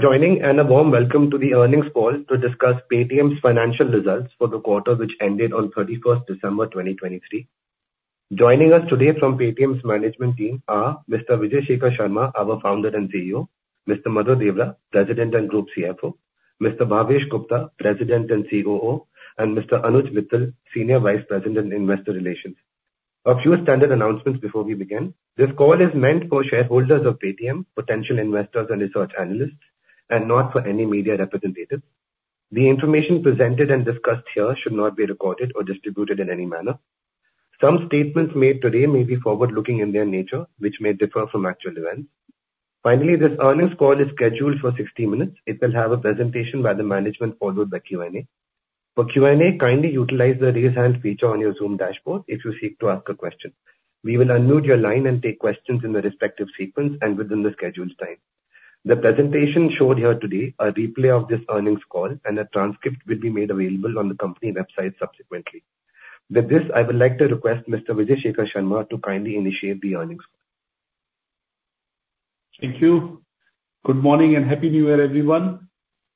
Joining, and a warm welcome to the earnings call to discuss Paytm's financial results for the quarter which ended on 31st December 2023. Joining us today from Paytm's management team are Mr. Vijay Shekhar Sharma, our founder and CEO, Mr. Madhur Deora, President and Group CFO, Mr. Bhavesh Gupta, President and COO, and Mr. Anuj Mittal, Senior Vice President, Investor Relations. A few standard announcements before we begin. This call is meant for shareholders of Paytm, potential investors and research analysts, and not for any media representatives. The information presented and discussed here should not be recorded or distributed in any manner. Some statements made today may be forward-looking in their nature, which may differ from actual events. Finally, this earnings call is scheduled for 60 minutes. It will have a presentation by the management, followed by Q&A. For Q&A, kindly utilize the Raise Hand feature on your Zoom dashboard if you seek to ask a question. We will unmute your line and take questions in the respective sequence and within the scheduled time. The presentation showed here today, a replay of this earnings call, and a transcript will be made available on the company website subsequently. With this, I would like to request Mr. Vijay Shekhar Sharma to kindly initiate the earnings. Thank you. Good morning, and happy New Year, everyone.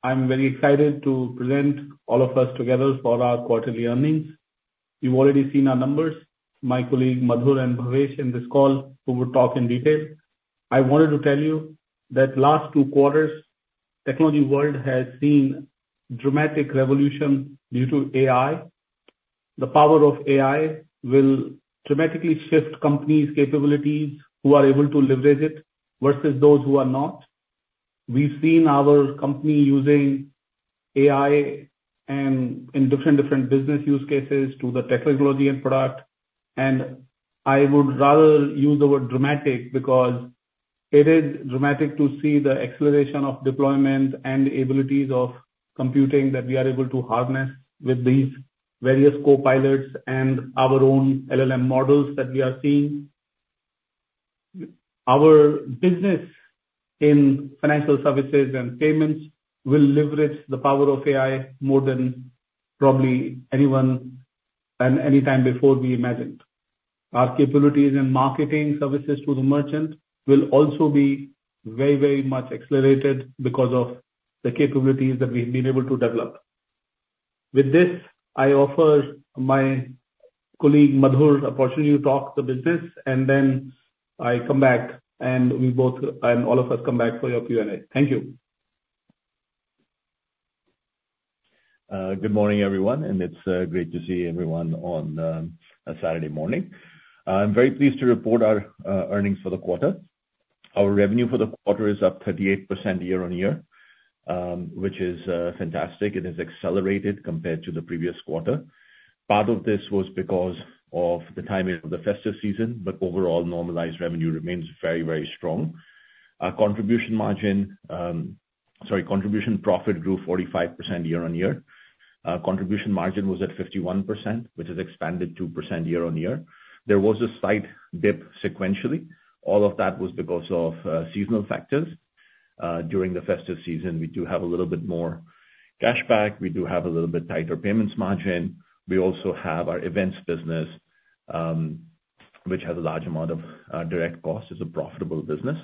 I'm very excited to present all of us together for our quarterly earnings. You've already seen our numbers. My colleague Madhur and Bhavesh in this call, who will talk in detail. I wanted to tell you that last two quarters, technology world has seen dramatic revolution due to AI. The power of AI will dramatically shift companies' capabilities who are able to leverage it versus those who are not. We've seen our company using AI and in different, different business use cases to the technology and product, and I would rather use the word dramatic, because it is dramatic to see the acceleration of deployment and abilities of computing that we are able to harness with these various co-pilots and our own LLM models that we are seeing. Our business in financial services and payments will leverage the power of AI more than probably anyone and any time before we imagined. Our capabilities in marketing services to the merchant will also be very, very much accelerated because of the capabilities that we've been able to develop. With this, I offer my colleague, Madhur, the opportunity to talk the business and then I come back and we both, and all of us come back for your Q&A. Thank you. Good morning, everyone, and it's great to see everyone on a Saturday morning. I'm very pleased to report our earnings for the quarter. Our revenue for the quarter is up 38% year-on-year, which is fantastic. It has accelerated compared to the previous quarter. Part of this was because of the timing of the festive season, but overall, normalized revenue remains very, very strong. Our contribution margin, sorry, contribution profit grew 45% year-on-year. Contribution margin was at 51%, which has expanded 2% year-on-year. There was a slight dip sequentially. All of that was because of seasonal factors. During the festive season, we do have a little bit more cashback. We do have a little bit tighter payments margin. We also have our events business, which has a large amount of direct costs, is a profitable business,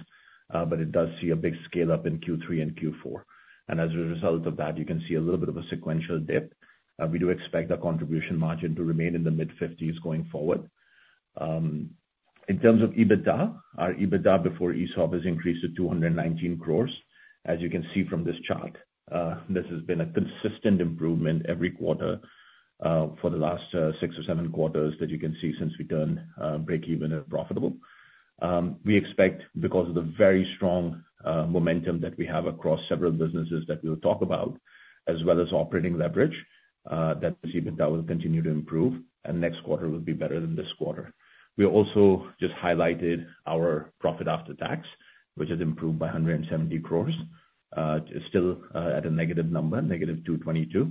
but it does see a big scale-up in Q3 and Q4. And as a result of that, you can see a little bit of a sequential dip. We do expect our contribution margin to remain in the mid-50s% going forward. In terms of EBITDA, our EBITDA before ESOP has increased to 219 crores. As you can see from this chart, this has been a consistent improvement every quarter, for the last six or seven quarters that you can see since we turned breakeven and profitable. We expect because of the very strong momentum that we have across several businesses that we'll talk about, as well as operating leverage, that this EBITDA will continue to improve, and next quarter will be better than this quarter. We also just highlighted our profit after tax, which has improved by 170 crore. It's still at a negative number, negative 222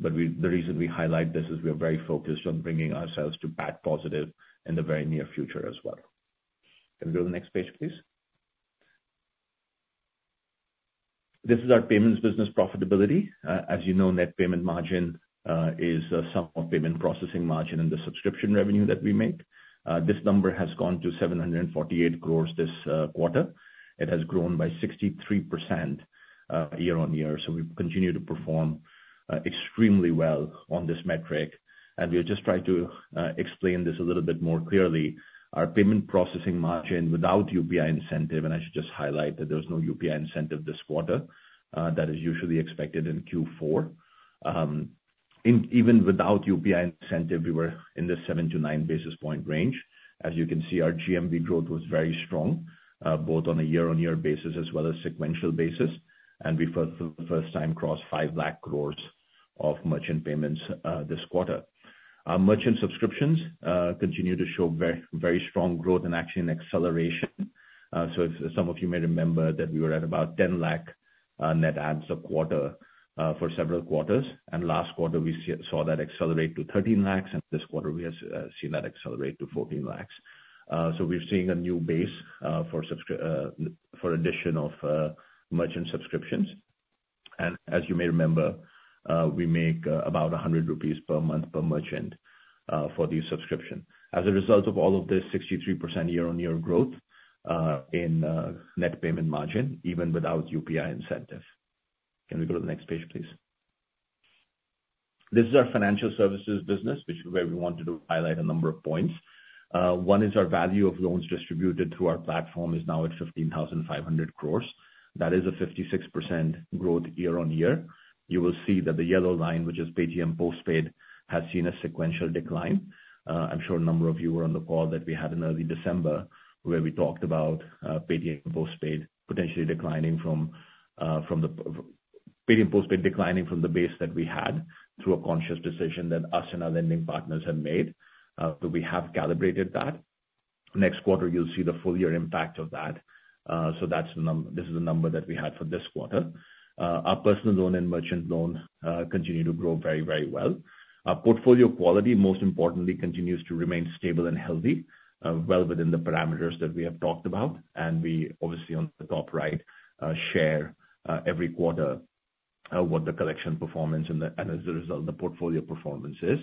crore, but the reason we highlight this is we are very focused on bringing ourselves to PAT positive in the very near future as well. Can we go to the next page, please? This is our payments business profitability. As you know, net payment margin is a sum of payment processing margin and the subscription revenue that we make. This number has gone to 748 crore this quarter. It has grown by 63%, year-on-year, so we continue to perform extremely well on this metric, and we'll just try to explain this a little bit more clearly. Our payment processing margin without UPI incentive, and I should just highlight that there was no UPI incentive this quarter, that is usually expected in Q4. Even without UPI incentive, we were in the 7-9 basis point range. As you can see, our GMV growth was very strong, both on a year-on-year basis as well as sequential basis, and we for the first time crossed 500,000 crore of merchant payments, this quarter. Our merchant subscriptions continue to show very strong growth and actually an acceleration. So if some of you may remember that we were at about 10 lakh net adds a quarter for several quarters, and last quarter we saw that accelerate to 13 lakhs, and this quarter we have seen that accelerate to 14 lakhs. So we're seeing a new base for addition of merchant subscriptions. As you may remember, we make about 100 rupees per month per merchant for the subscription. As a result of all of this, 63% year-on-year growth in net payment margin, even without UPI incentive. Can we go to the next page, please? This is our financial services business, which is where we wanted to highlight a number of points. One is our value of loans distributed through our platform is now at 15,500 crore. That is a 56% growth year-on-year. You will see that the yellow line, which is Paytm Postpaid, has seen a sequential decline. I'm sure a number of you were on the call that we had in early December, where we talked about Paytm Postpaid potentially declining from, from the Paytm Postpaid declining from the base that we had through a conscious decision that us and our lending partners have made, but we have calibrated that. Next quarter, you'll see the full year impact of that. So that's the this is the number that we had for this quarter. Our personal loan and merchant loan continue to grow very, very well. Our portfolio quality, most importantly, continues to remain stable and healthy, well within the parameters that we have talked about, and we obviously on the top right share every quarter what the collection performance and the, and as a result, the portfolio performance is.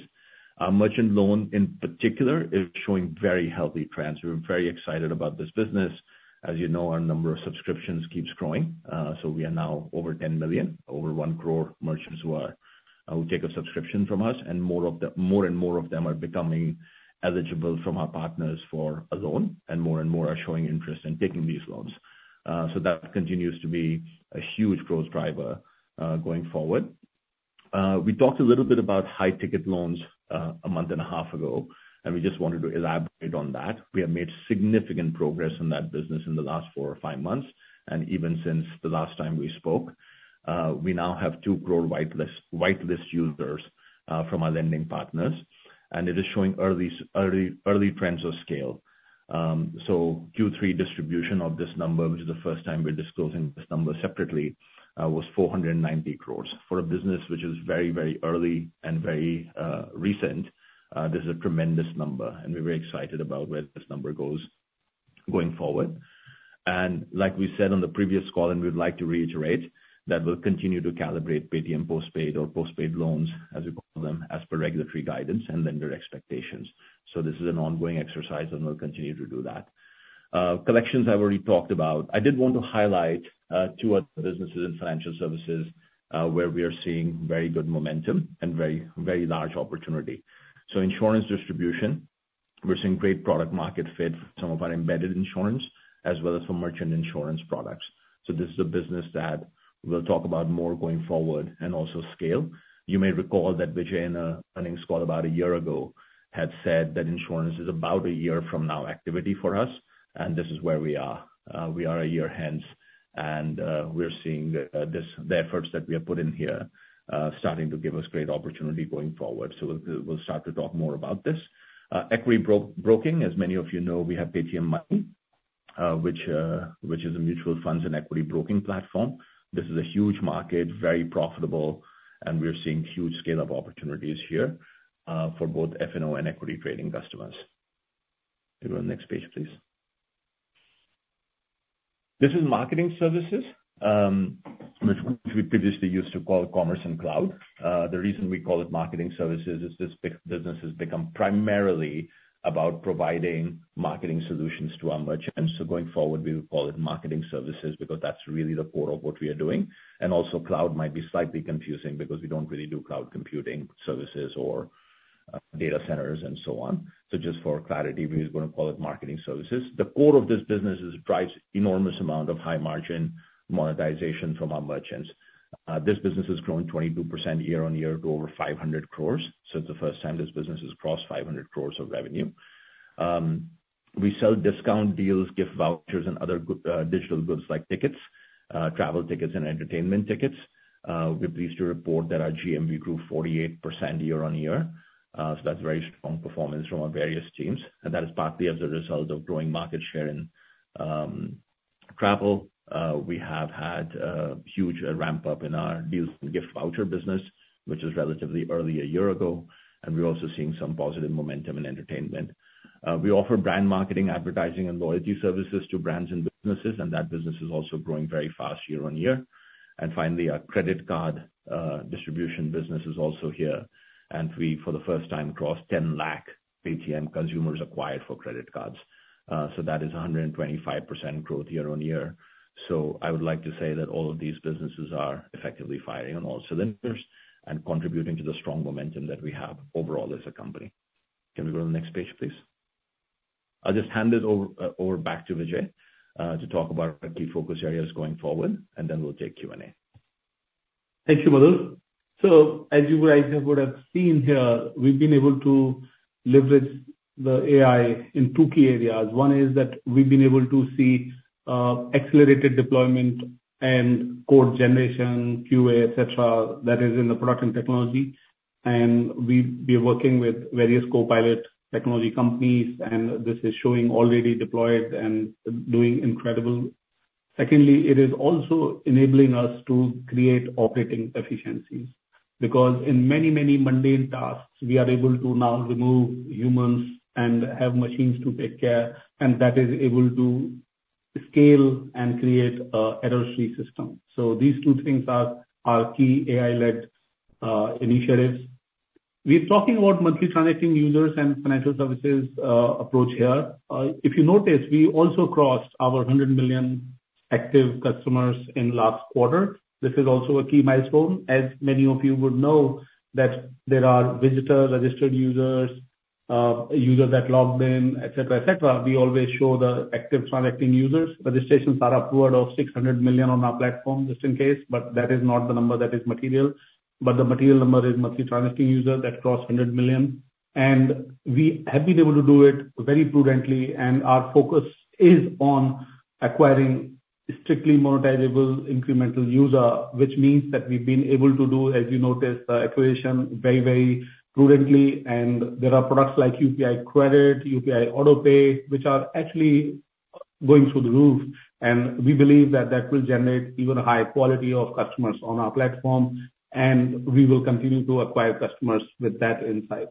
Our merchant loan, in particular, is showing very healthy trends. We're very excited about this business. As you know, our number of subscriptions keeps growing, so we are now over 10 million, over 1 crore merchants who are, who take a subscription from us, and more of the... more and more of them are becoming eligible from our partners for a loan, and more and more are showing interest in taking these loans. So that continues to be a huge growth driver, going forward. We talked a little bit about high-ticket loans, a month and a half ago, and we just wanted to elaborate on that. We have made significant progress in that business in the last four or five months, and even since the last time we spoke. We now have 2 crore whitelist users from our lending partners, and it is showing early, early trends of scale. So Q3 distribution of this number, which is the first time we're disclosing this number separately, was 490 crore. For a business which is very, very early and very recent, this is a tremendous number, and we're very excited about where this number goes going forward. Like we said on the previous call, and we'd like to reiterate, that we'll continue to calibrate Paytm postpaid or postpaid loans, as we call them, as per regulatory guidance and lender expectations, so this is an ongoing exercise, and we'll continue to do that. Collections, I've already talked about. I did want to highlight two other businesses in financial services where we are seeing very good momentum and very, very large opportunity. So insurance distribution, we're seeing great product market fit for some of our embedded insurance, as well as for merchant insurance products. So this is a business that we'll talk about more going forward and also scale. You may recall that Vijay, in an earnings call about a year ago, had said that insurance is about a year from now activity for us, and this is where we are. We are a year hence, and, we're seeing, this, the efforts that we have put in here, starting to give us great opportunity going forward, so we'll start to talk more about this. Equity broking, as many of you know, we have Paytm Money, which is a mutual funds and equity broking platform. This is a huge market, very profitable, and we are seeing huge scale of opportunities here, for both F&O and equity trading customers. Can we go to the next page, please? This is marketing services, which we previously used to call commerce and cloud. The reason we call it marketing services is this business has become primarily about providing marketing solutions to our merchants. So going forward, we will call it marketing services, because that's really the core of what we are doing. Also, cloud might be slightly confusing because we don't really do cloud computing services or data centers and so on. So just for clarity, we are gonna call it marketing services. The core of this business is drives enormous amount of high-margin monetization from our merchants. This business has grown 22% year-on-year to over 500 crores, so it's the first time this business has crossed 500 crores of revenue. We sell discount deals, gift vouchers, and other good digital goods like tickets, travel tickets and entertainment tickets. We're pleased to report that our GMV grew 48% year-on-year. So that's very strong performance from our various teams, and that is partly as a result of growing market share in travel. We have had huge ramp-up in our deals and gift voucher business, which was relatively early a year ago, and we're also seeing some positive momentum in entertainment. We offer brand marketing, advertising and loyalty services to brands and businesses, and that business is also growing very fast year-on-year. And finally, our credit card distribution business is also here, and we, for the first time, crossed 10 lakh Paytm consumers acquired for credit cards. So that is a 125% growth year-on-year. So I would like to say that all of these businesses are effectively firing on all cylinders and contributing to the strong momentum that we have overall as a company. Can we go to the next page, please? I'll just hand it over, over back to Vijay, to talk about our key focus areas going forward, and then we'll take Q&A. Thank you, Madhu. So as you guys would have seen here, we've been able to leverage the AI in two key areas. One is that we've been able to see accelerated deployment and code generation, QA, et cetera, that is in the product and technology. And we're working with various copilot technology companies, and this is showing already deployed and doing incredible. Secondly, it is also enabling us to create operating efficiencies... because in many, many mundane tasks, we are able to now remove humans and have machines to take care, and that is able to scale and create an error-free system. So these two things are our key AI-led initiatives. We are talking about monthly transacting users and financial services approach here. If you notice, we also crossed our 100 million active customers in last quarter. This is also a key milestone, as many of you would know that there are visitors, registered users, users that logged in, et cetera, et cetera. We always show the active transacting users. Registrations are upward of 600 million on our platform, just in case, but that is not the number that is material. But the material number is monthly transacting users that crossed 100 million, and we have been able to do it very prudently, and our focus is on acquiring strictly monetizable, incremental user. Which means that we've been able to do, as you noticed, acquisition very, very prudently, and there are products like UPI Credit, UPI Autopay, which are actually going through the roof, and we believe that that will generate even higher quality of customers on our platform, and we will continue to acquire customers with that insight.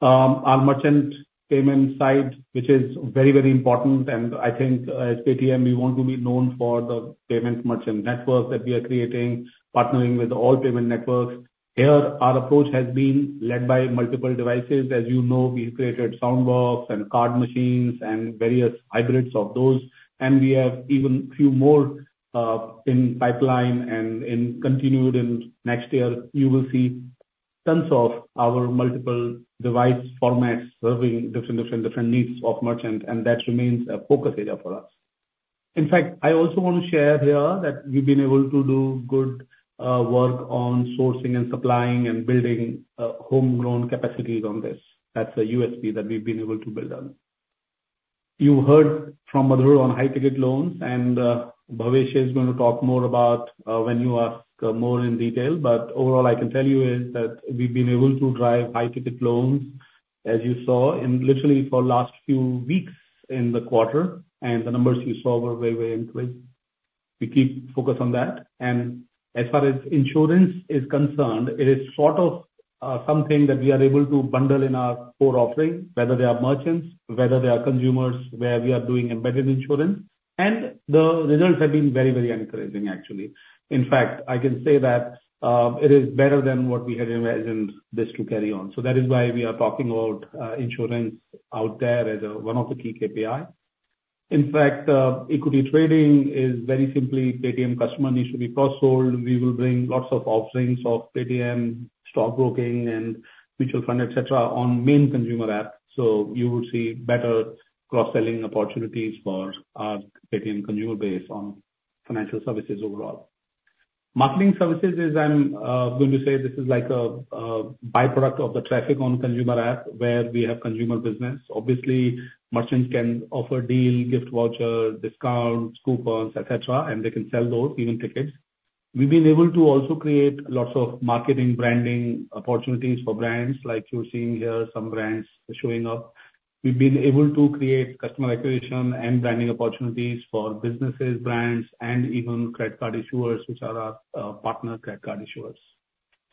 Our merchant payment side, which is very, very important, and I think, as Paytm, we want to be known for the payment merchant network that we are creating, partnering with all payment networks. Here, our approach has been led by multiple devices. As you know, we've created Soundbox and card machines and various hybrids of those, and we have even few more, in pipeline and in continued in next year, you will see tons of our multiple device formats serving different, different, different needs of merchants, and that remains a focus area for us. In fact, I also want to share here that we've been able to do good, work on sourcing and supplying and building, homegrown capacities on this. That's a USP that we've been able to build on. You heard from Madhur on high-ticket loans, and, Bhavesh is going to talk more about, when you ask more in detail, but overall, I can tell you is that we've been able to drive high-ticket loans, as you saw in literally for last few weeks in the quarter, and the numbers you saw were very, very encouraging. We keep focused on that. And as far as insurance is concerned, it is sort of, something that we are able to bundle in our core offering, whether they are merchants, whether they are consumers, where we are doing embedded insurance, and the results have been very, very encouraging, actually. In fact, I can say that, it is better than what we had imagined this to carry on. So that is why we are talking about, insurance out there as, one of the key KPI. In fact, equity trading is very simply Paytm customer needs to be cross-sold. We will bring lots of offerings of Paytm, stockbroking and mutual fund, et cetera, on main consumer app. So you will see better cross-selling opportunities for our Paytm consumer base on financial services overall. Marketing services is going to say this is like a by-product of the traffic on consumer app, where we have consumer business. Obviously, merchants can offer deal, gift vouchers, discounts, coupons, et cetera, and they can sell those, even tickets. We've been able to also create lots of marketing, branding opportunities for brands, like you're seeing here, some brands showing up. We've been able to create customer acquisition and branding opportunities for businesses, brands, and even credit card issuers, which are our partner credit card issuers.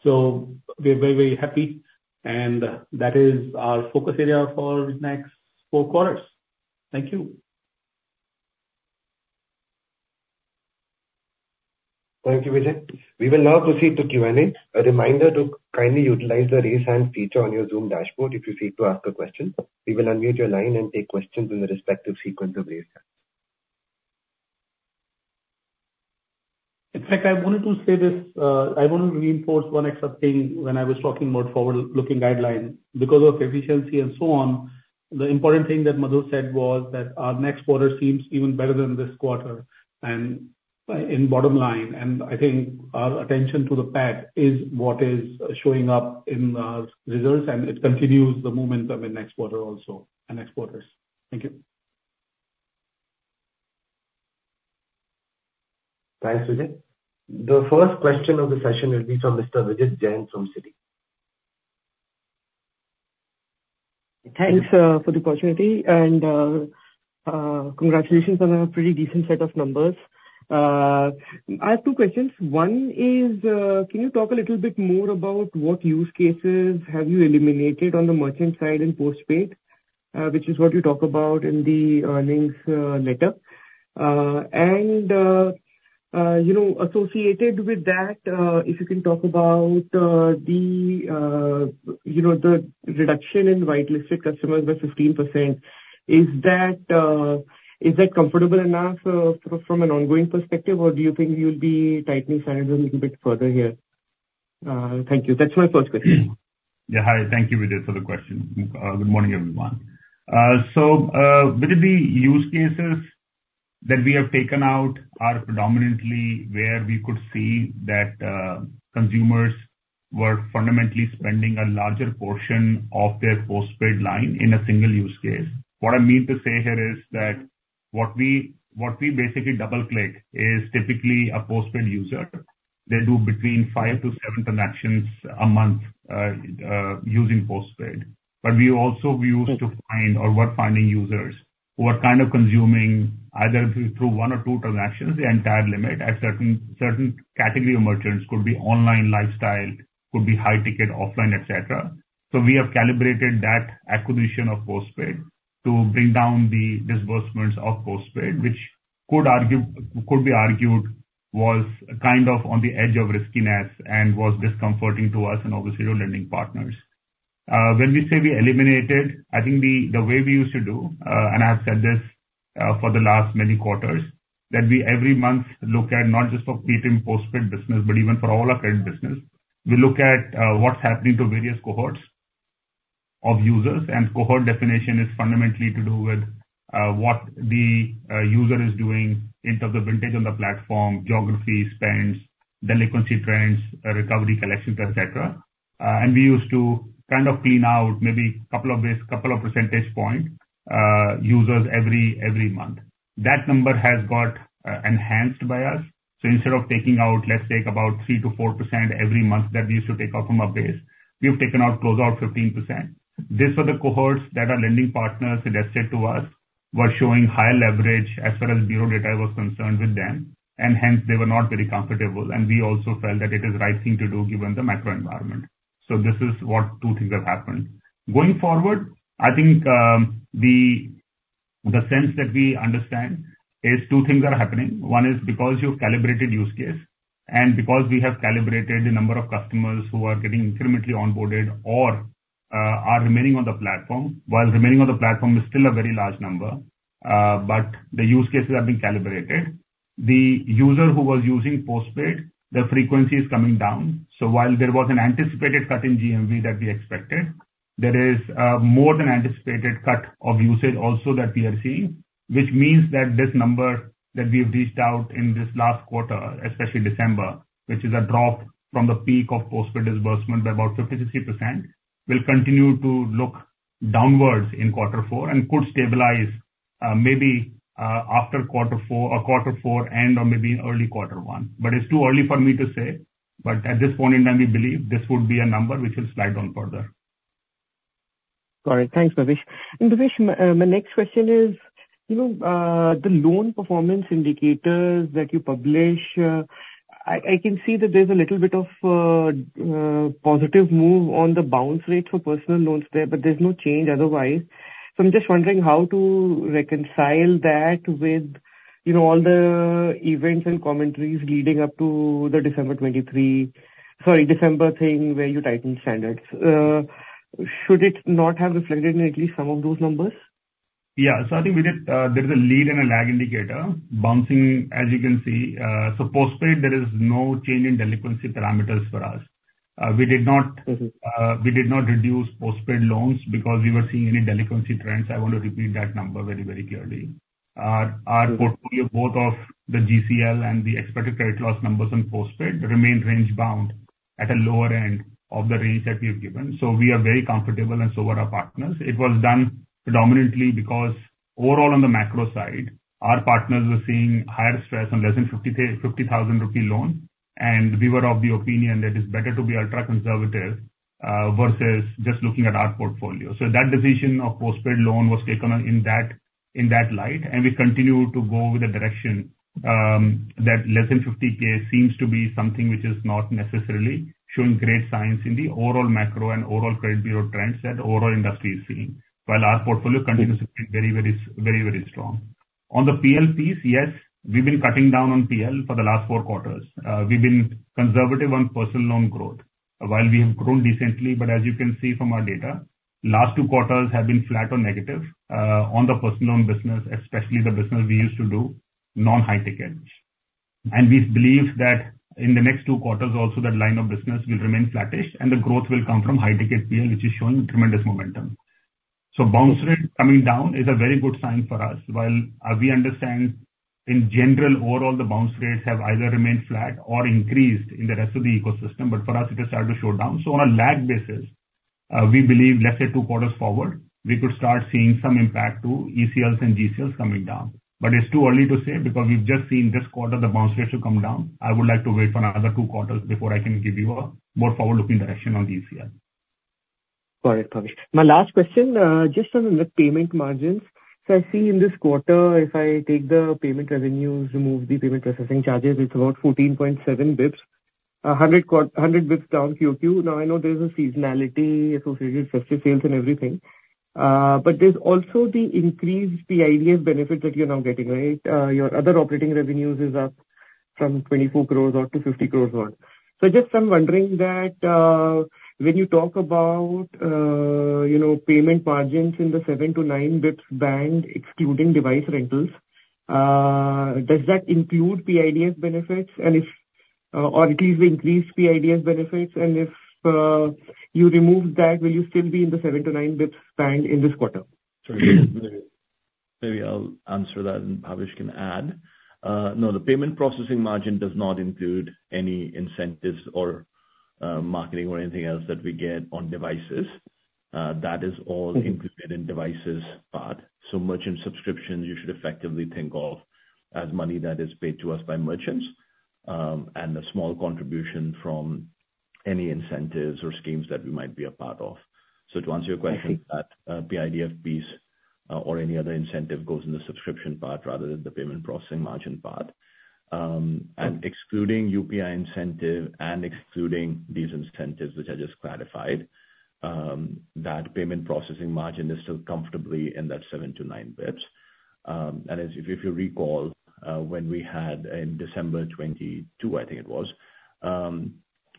We are very, very happy, and that is our focus area for next four quarters. Thank you. Thank you, Vijay. We will now proceed to Q&A. A reminder to kindly utilize the Raise Hand feature on your Zoom dashboard if you seek to ask a question. We will unmute your line and take questions in the respective sequence of Raise Hand. In fact, I wanted to say this. I want to reinforce one extra thing when I was talking about forward-looking guideline. Because of efficiency and so on, the important thing that Madhur said was that our next quarter seems even better than this quarter, and in bottom line, and I think our attention to the PAT is what is showing up in our results, and it continues the momentum in next quarter also, and next quarters. Thank you. Thanks, Vijay. The first question of the session will be from Mr. Vijit Jain from Citi. Thanks for the opportunity, and congratulations on a pretty decent set of numbers. I have two questions. One is, can you talk a little bit more about what use cases have you eliminated on the merchant side in postpaid? Which is what you talk about in the earnings letter. And you know, the reduction in whitelisted customers by 15%. Is that comfortable enough from an ongoing perspective, or do you think you'll be tightening standards a little bit further here? Thank you. That's my first question. Yeah, hi, thank you, Vijay, for the question. Good morning, everyone. So, with the use cases that we have taken out are predominantly where we could see that, consumers were fundamentally spending a larger portion of their postpaid line in a single use case. What I mean to say here is that what we basically double-click is typically a postpaid user. They do between 5-7 transactions a month, using postpaid. But we also used to find or were finding users-... were kind of consuming either through, through one or two transactions, the entire limit at certain, certain category of merchants, could be online lifestyle, could be high ticket, offline, et cetera. So we have calibrated that acquisition of postpaid to bring down the disbursements of postpaid, which could argue, could be argued, was kind of on the edge of riskiness and was discomforting to us and obviously your lending partners. When we say we eliminated, I think the, the way we used to do, and I've said this, for the last many quarters, that we every month look at not just for Paytm Postpaid business, but even for all our credit business. We look at what's happening to various cohorts of users, and cohort definition is fundamentally to do with what the user is doing in terms of vintage on the platform, geography, spends, delinquency trends, recovery, collections, et cetera. And we used to kind of clean out maybe couple of base, couple of percentage point users every month. That number has got enhanced by us. So instead of taking out, let's take about 3%-4% every month that we used to take out from our base, we've taken out close out 15%. These were the cohorts that our lending partners suggested to us were showing high leverage as far as bureau data was concerned with them, and hence, they were not very comfortable. And we also felt that it is the right thing to do given the macro environment. So this is what two things have happened. Going forward, I think, the sense that we understand is two things are happening. One is because you've calibrated use case, and because we have calibrated the number of customers who are getting incrementally onboarded or are remaining on the platform, while remaining on the platform is still a very large number, but the use cases have been calibrated. The user who was using postpaid, their frequency is coming down. So while there was an anticipated cut in GMV that we expected, there is more than anticipated cut of usage also that we are seeing. Which means that this number that we've reached out in this last quarter, especially December, which is a drop from the peak of postpaid disbursement by about 50%-60%, will continue to look downwards in quarter four and could stabilize, maybe, after quarter four or quarter four and/or maybe early quarter one. But it's too early for me to say, but at this point in time, we believe this would be a number which will slide down further. Got it. Thanks, Bhavesh. And Bhavesh, my next question is, you know, the loan performance indicators that you publish, I can see that there's a little bit of positive move on the bounce rate for personal loans there, but there's no change otherwise. So I'm just wondering how to reconcile that with, you know, all the events and commentaries leading up to the December 2023, sorry, December thing, where you tightened standards. Should it not have reflected in at least some of those numbers? Yeah. So I think we did, there is a lead and a lag indicator. Bouncing, as you can see, so postpaid, there is no change in delinquency parameters for us. We did not- Mm-hmm. We did not reduce postpaid loans because we were seeing any delinquency trends. I want to repeat that number very, very clearly. Our portfolio, both of the GCL and the expected credit loss numbers on postpaid, remain range-bound at a lower end of the range that we've given. So we are very comfortable, and so are our partners. It was done predominantly because overall on the macro side, our partners were seeing higher stress on less than 50,000 rupee loan. And we were of the opinion that it's better to be ultra-conservative, versus just looking at our portfolio. So that decision of postpaid loan was taken on in that, in that light, and we continue to go with the direction that less than 50K seems to be something which is not necessarily showing great signs in the overall macro and overall credit bureau trends that overall industry is seeing, while our portfolio continues to be very, very, very, very strong. On the PL piece, yes, we've been cutting down on PL for the last 4 quarters. We've been conservative on personal loan growth, while we have grown decently, but as you can see from our data, last 2 quarters have been flat or negative on the personal loan business, especially the business we used to do, non-high tickets. We believe that in the next two quarters also, that line of business will remain flattish, and the growth will come from high-ticket PL, which is showing tremendous momentum. So bounce rate coming down is a very good sign for us. While we understand in general, overall, the bounce rates have either remained flat or increased in the rest of the ecosystem, but for us it has started to slow down. So on a lag basis, we believe, let's say two quarters forward, we could start seeing some impact to ECLs and GCLs coming down. But it's too early to say because we've just seen this quarter the bounce rates have come down. I would like to wait for another two quarters before I can give you a more forward-looking direction on the ECL. Got it, Bhavesh. My last question, just on the net payment margins. So I see in this quarter, if I take the payment revenues, remove the payment processing charges, it's about 14.7 bps, 100 bps down QOQ. Now, I know there's a seasonality associated with festive sales and everything, but there's also the increased PIDF benefit that you're now getting, right? Your other operating revenues is up from 24 crore to 50 crore. So just I'm wondering that, when you talk about, you know, payment margins in the 7-9 bps band, excluding device rentals, does that include PIDF benefits? And if, or at least the increased PIDF benefits, and if you remove that, will you still be in the 7-9 bps band in this quarter? Sorry, maybe I'll answer that, and Bhavesh can add. No, the payment processing margin does not include any incentives or, marketing or anything else that we get on devices. That is all- Mm. -included in devices part. So merchant subscriptions, you should effectively think of as money that is paid to us by merchants, and a small contribution from-... any incentives or schemes that we might be a part of. So to answer your question, that, the PIDF piece, or any other incentive goes in the subscription part rather than the payment processing margin part. And excluding UPI incentive and excluding these incentives, which I just clarified, that payment processing margin is still comfortably in that 7-9 basis points. And as, if you recall, when we had in December 2022, I think it was,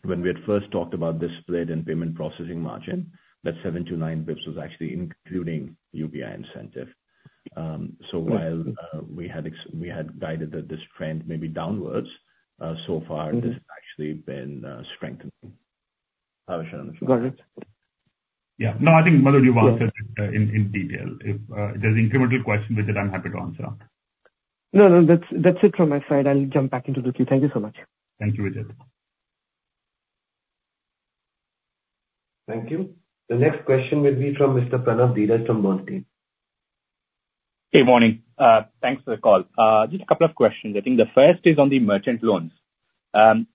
when we had first talked about this split in payment processing margin, that 7-9 basis points was actually including UPI incentive. So while we had guided that this trend may be downwards, so far this has actually been strengthening. Got it. Yeah. No, I think, Madhu, you've answered it, in detail. If there's incremental question, Vijay, I'm happy to answer. No, no, that's, that's it from my side. I'll jump back into the queue. Thank you so much. Thank you, Vijay. Thank you. The next question will be from Mr. Pranav Gundlapalle from Bernstein. Good morning. Thanks for the call. Just a couple of questions. I think the first is on the merchant loans.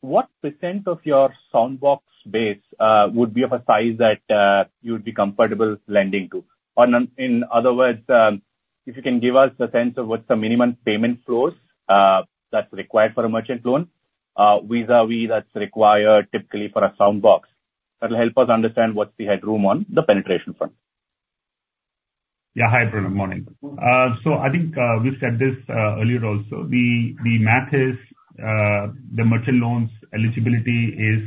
What % of your Soundbox base would be of a size that you'd be comfortable lending to? In other words, if you can give us a sense of what's the minimum payment flows that's required for a merchant loan vis-à-vis that's required typically for a Soundbox. That'll help us understand what's the headroom on the penetration front. Yeah. Hi, Pranav, morning. So I think we've said this earlier also. The math is the merchant loans eligibility is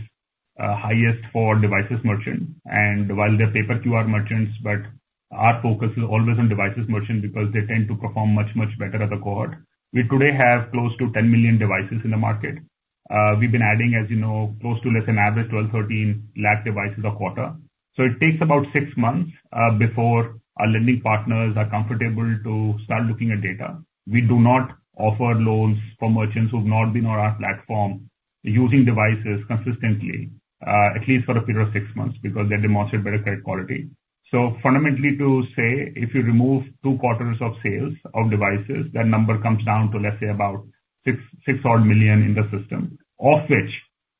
highest for devices merchant, and while they're paper QR merchants, but our focus is always on devices merchant, because they tend to perform much, much better as a cohort. We today have close to 10 million devices in the market. We've been adding, as you know, close to, let's say, an average 12-13 lakh devices a quarter. So it takes about 6 months before our lending partners are comfortable to start looking at data. We do not offer loans for merchants who've not been on our platform using devices consistently, at least for a period of 6 months, because they demonstrate better credit quality. So fundamentally, to say, if you remove two quarters of sales of devices, that number comes down to, let's say, about 6, 6 odd million in the system, of which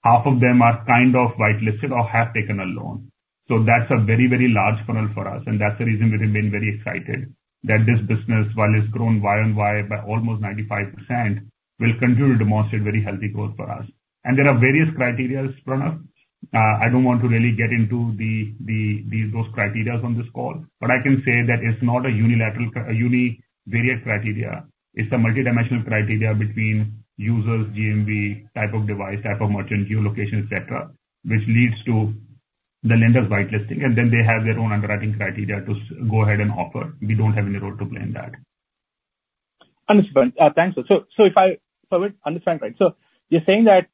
half of them are kind of whitelisted or have taken a loan. So that's a very, very large funnel for us, and that's the reason we have been very excited that this business, while it's grown year-on-year by almost 95%, will continue to demonstrate very healthy growth for us. And there are various criteria, Pranav. I don't want to really get into the those criteria on this call, but I can say that it's not a unilateral univariate criteria. It's a multidimensional criteria between users, GMV, type of device, type of merchant, geolocation, et cetera, which leads to the lenders whitelisting, and then they have their own underwriting criteria to go ahead and offer. We don't have any role to play in that. Understood. Thanks. So if I understand right, you're saying that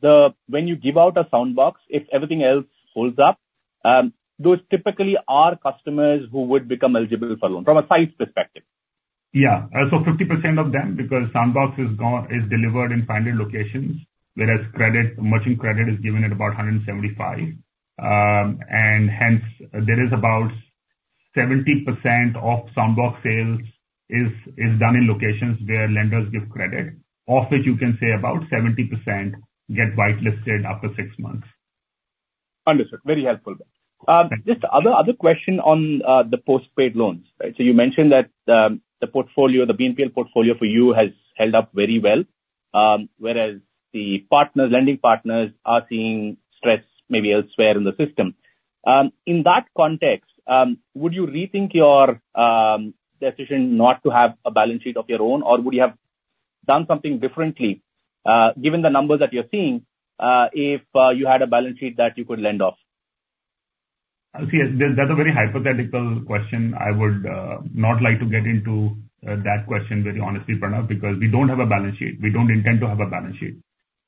the... When you give out a Soundbox, if everything else holds up, those typically are customers who would become eligible for loan, from a size perspective? Yeah. So 50% of them, because Soundbox is gone, is delivered in 500 locations, whereas credit, merchant credit is given at about 175. And hence, there is about 70% of Soundbox sales is done in locations where lenders give credit, of which you can say about 70% get whitelisted after six months. Understood. Very helpful. Thank you. Just another question on the postpaid loans, right? So you mentioned that the portfolio, the BNPL portfolio for you has held up very well, whereas the partners, lending partners are seeing stress maybe elsewhere in the system. In that context, would you rethink your decision not to have a balance sheet of your own, or would you have done something differently, given the numbers that you're seeing, if you had a balance sheet that you could lend off? See, that's a very hypothetical question. I would not like to get into that question very honestly, Pranav, because we don't have a balance sheet. We don't intend to have a balance sheet.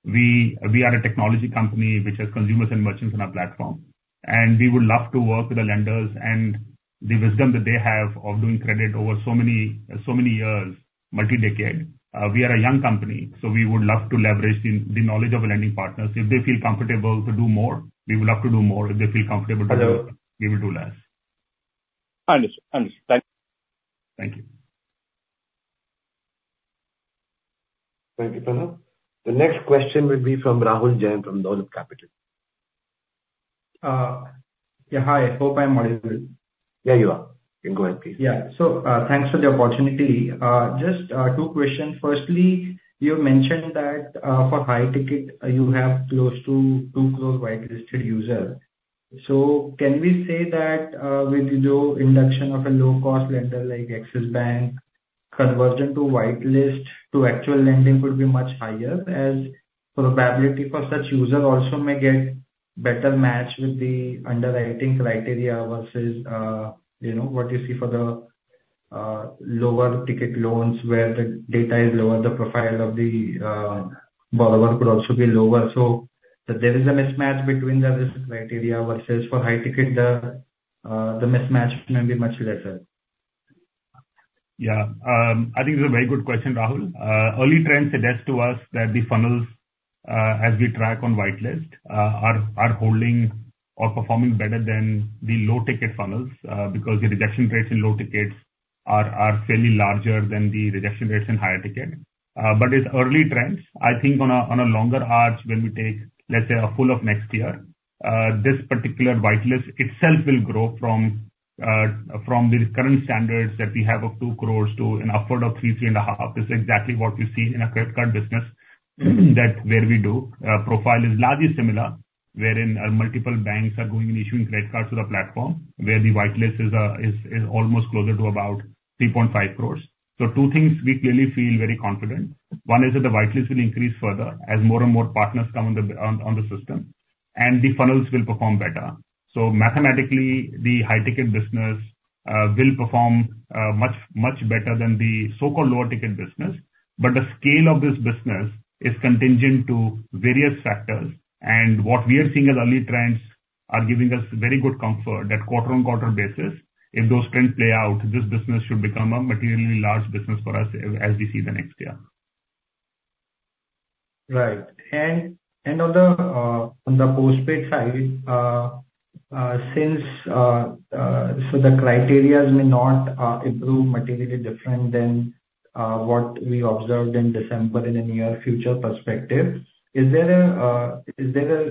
We are a technology company which has consumers and merchants on our platform, and we would love to work with the lenders and the wisdom that they have of doing credit over so many, so many years, multi-decade. We are a young company, so we would love to leverage the knowledge of the lending partners. If they feel comfortable to do more, we would love to do more. If they feel comfortable to do less, we will do less. Understood. Understood. Thank you. Thank you. Thank you, Pranav. The next question will be from Rahul Jain from Dolat Capital. Yeah, hi. Hope I'm audible. Yeah, you are. You can go ahead, please. Yeah. So, thanks for the opportunity. Just two questions. Firstly, you mentioned that for high ticket, you have close to 2 close whitelisted users. So can we say that with the induction of a low-cost lender like Axis Bank, conversion to whitelist to actual lending would be much higher, as probability for such user also may get better match with the underwriting criteria versus, you know, what you see for the lower ticket loans, where the data is lower, the profile of the borrower could also be lower. So there is a mismatch between the risk criteria versus for high ticket, the mismatch may be much lesser. Yeah. I think it's a very good question, Rahul. Early trends suggest to us that the funnels, as we track on whitelist, are holding or performing better than the low-ticket funnels, because the rejection rates in low tickets are fairly larger than the rejection rates in higher ticket. But it's early trends. I think on a longer arc, when we take, let's say, a full of next year, this particular whitelist itself will grow from the current standards that we have of 2 crore to an upward of 3-3.5 crore. This is exactly what we see in a credit card business that where we do. Profile is largely similar, wherein multiple banks are going and issuing credit cards to the platform, where the whitelist is almost closer to about 3.5 crores. So two things we clearly feel very confident. One is that the whitelist will increase further as more and more partners come on the system, and the funnels will perform better. So mathematically, the high-ticket business will perform much, much better than the so-called lower ticket business. But the scale of this business is contingent to various factors, and what we are seeing as early trends are giving us very good comfort that quarter-on-quarter basis, if those trends play out, this business should become a materially large business for us as we see the next year. Right. And on the postpaid side, since the criteria may not improve materially different than what we observed in December in the near future perspective. Is there a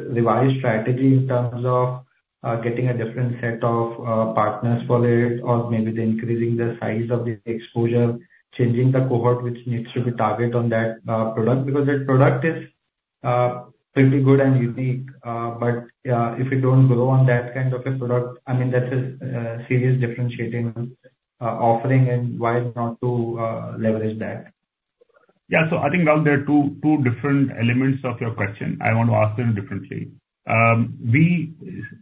revised strategy in terms of getting a different set of partners for it, or maybe increasing the size of the exposure, changing the cohort which needs to be targeted on that product? Because the product is pretty good and unique, but if you don't grow on that kind of a product, I mean, that is serious differentiating offering and why not to leverage that? Yeah. So I think, Rahul, there are two, two different elements of your question. I want to ask them differently. We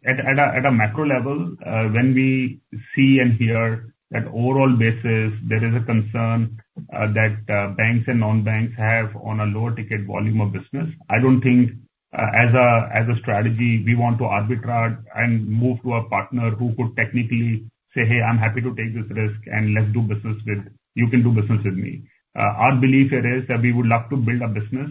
at a macro level, when we see and hear that overall basis, there is a concern that banks and non-banks have on a lower ticket volume of business. I don't think, as a strategy, we want to arbitrage and move to a partner who could technically say, "Hey, I'm happy to take this risk and let's do business with... You can do business with me." Our belief here is that we would love to build a business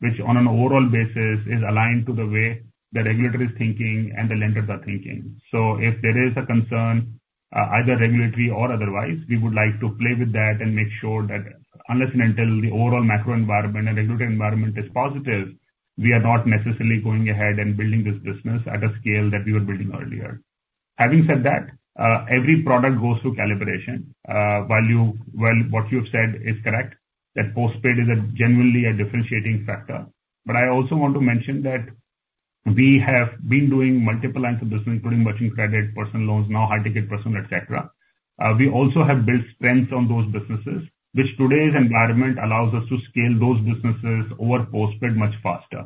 which, on an overall basis, is aligned to the way the regulator is thinking and the lenders are thinking. So if there is a concern, either regulatory or otherwise, we would like to play with that and make sure that unless and until the overall macro environment and regulatory environment is positive, we are not necessarily going ahead and building this business at a scale that we were building earlier. Having said that, every product goes through calibration. While what you've said is correct, that postpaid is a genuinely a differentiating factor. But I also want to mention that we have been doing multiple lines of business, including merchant credit, personal loans, now high-ticket personal, et cetera. We also have built strengths on those businesses, which today's environment allows us to scale those businesses over postpaid much faster.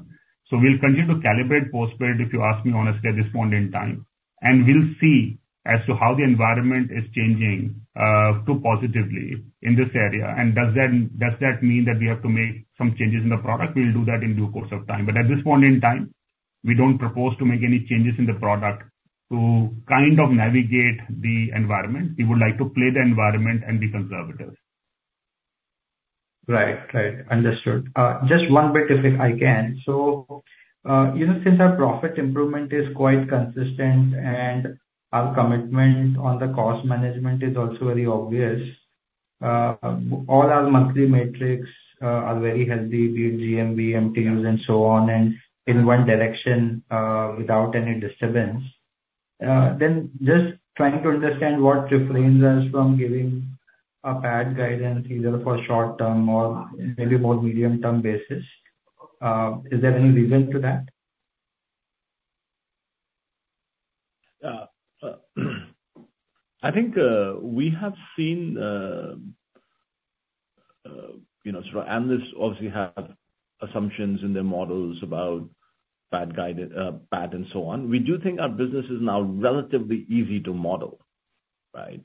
So we'll continue to calibrate postpaid, if you ask me honestly, at this point in time. We'll see as to how the environment is changing too positively in this area. Does that mean that we have to make some changes in the product? We'll do that in due course of time. But at this point in time, we don't propose to make any changes in the product to kind of navigate the environment. We would like to play the environment and be conservative. Right. Right. Understood. Just one bit, if I can. So, even since our profit improvement is quite consistent and our commitment on the cost management is also very obvious, all our monthly metrics are very healthy, be it GMV, MTUs, and so on, and in one direction, without any disturbance. Then just trying to understand what refrains us from giving a PAT guidance, either for short-term or maybe more medium-term basis. Is there any reason to that? I think we have seen, you know, so analysts obviously have assumptions in their models about PAT guided, bad and so on. We do think our business is now relatively easy to model, right?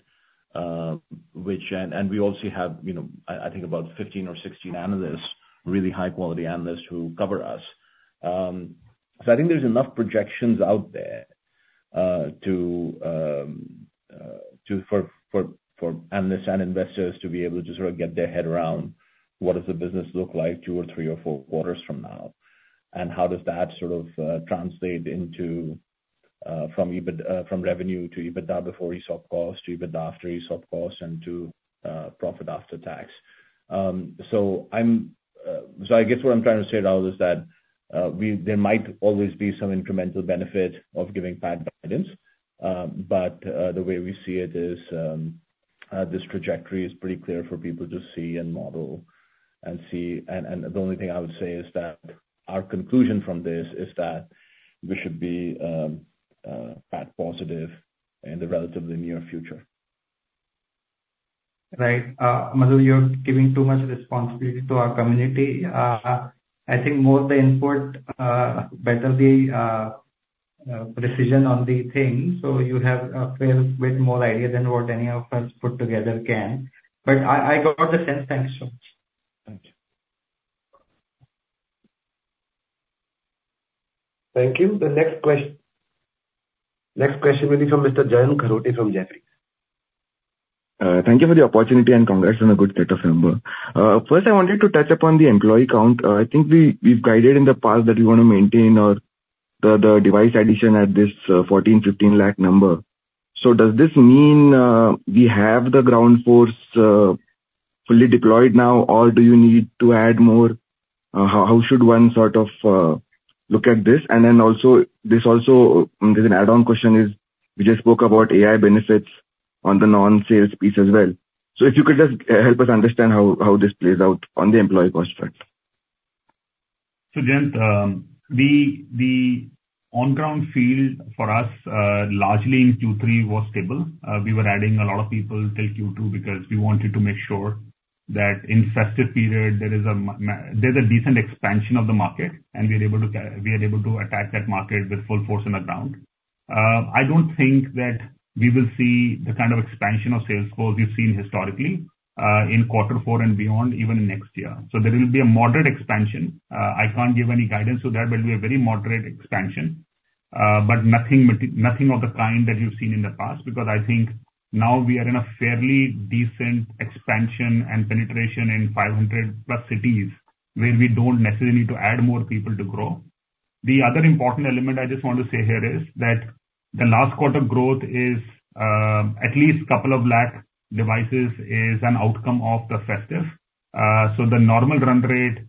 Which... And we also have, you know, I think about 15 or 16 analysts, really high quality analysts who cover us. So I think there's enough projections out there, to for analysts and investors to be able to sort of get their head around, what does the business look like 2 or 3 or 4 quarters from now? And how does that sort of translate into, from EBITDA from revenue to EBITDA before ESOP cost, to EBITDA after ESOP cost, and to profit after tax? So, I guess what I'm trying to say, Rahul, is that we—there might always be some incremental benefit of giving PAT guidance, but the way we see it is, this trajectory is pretty clear for people to see and model and see. And the only thing I would say is that our conclusion from this is that we should be PAT positive in the relatively near future. Right. Madhu, you're giving too much responsibility to our community. I think more the input, better the precision on the thing. So you have a fair bit more idea than what any of us put together can. But I got the sense. Thank you so much. Thank you. Thank you. The next question will be from Mr. Jayant Kharote from Jefferies. Thank you for the opportunity, and congrats on a good set of numbers. First, I wanted to touch upon the employee count. I think we've guided in the past that we want to maintain the device addition at this 14-15 lakh number. So does this mean we have the ground force fully deployed now, or do you need to add more? How should one sort of look at this? And then also, there's an add-on question: we just spoke about AI benefits on the non-sales piece as well. So if you could just help us understand how this plays out on the employee cost front. So, Jayant, the on-ground field for us largely in Q3 was stable. We were adding a lot of people till Q2 because we wanted to make sure that in festive period, there's a decent expansion of the market, and we are able to attack that market with full force on the ground. I don't think that we will see the kind of expansion of sales force we've seen historically in quarter four and beyond, even in next year. So there will be a moderate expansion. I can't give any guidance to that, but we are very moderate expansion, but nothing, nothing of the kind that you've seen in the past, because I think now we are in a fairly decent expansion and penetration in 500+ cities, where we don't necessarily need to add more people to grow. The other important element I just want to say here is that the last quarter growth is at least couple of lakh devices is an outcome of the festive. So the normal run rate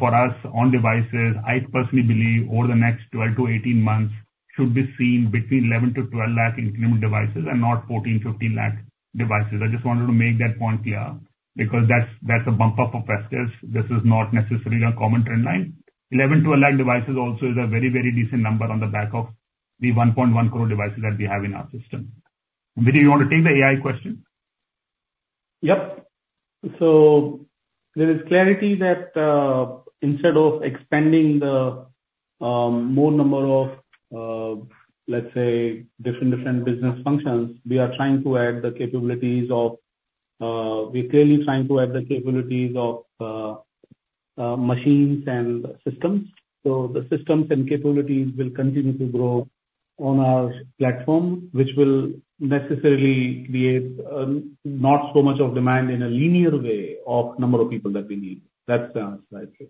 for us on devices, I personally believe over the next 12-18 months, should be seen between 11-12 lakh incremental devices and not 14-15 lakh devices. I just wanted to make that point clear, because that's a bump up of festives. This is not necessarily a common trend line. 11 to a lakh devices also is a very, very decent number on the back of the 1.1 crore devices that we have in our system. Vijay, you want to take the AI question? Yep. So there is clarity that, instead of expanding the, more number of, let's say, different, different business functions, we're clearly trying to add the capabilities of machines and systems. So the systems and capabilities will continue to grow on our platform, which will necessarily create, not so much of demand in a linear way of number of people that we need. That's the answer, I'd say.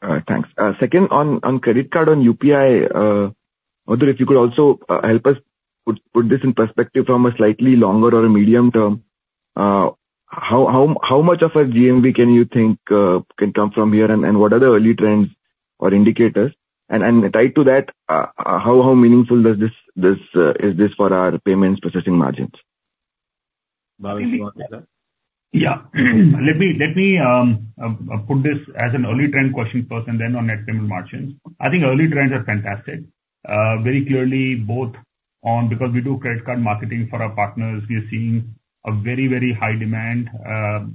Thanks. Second, on credit card on UPI, Madhur, if you could also help us put this in perspective from a slightly longer or a medium term. How much of a GMV can you think can come from here, and what are the early trends or indicators? And tied to that, how meaningful is this for our payments processing margins? Yeah. Let me put this as an early trend question first, and then on net payment margins. I think early trends are fantastic. Very clearly, both on... because we do credit card marketing for our partners, we are seeing a very, very high demand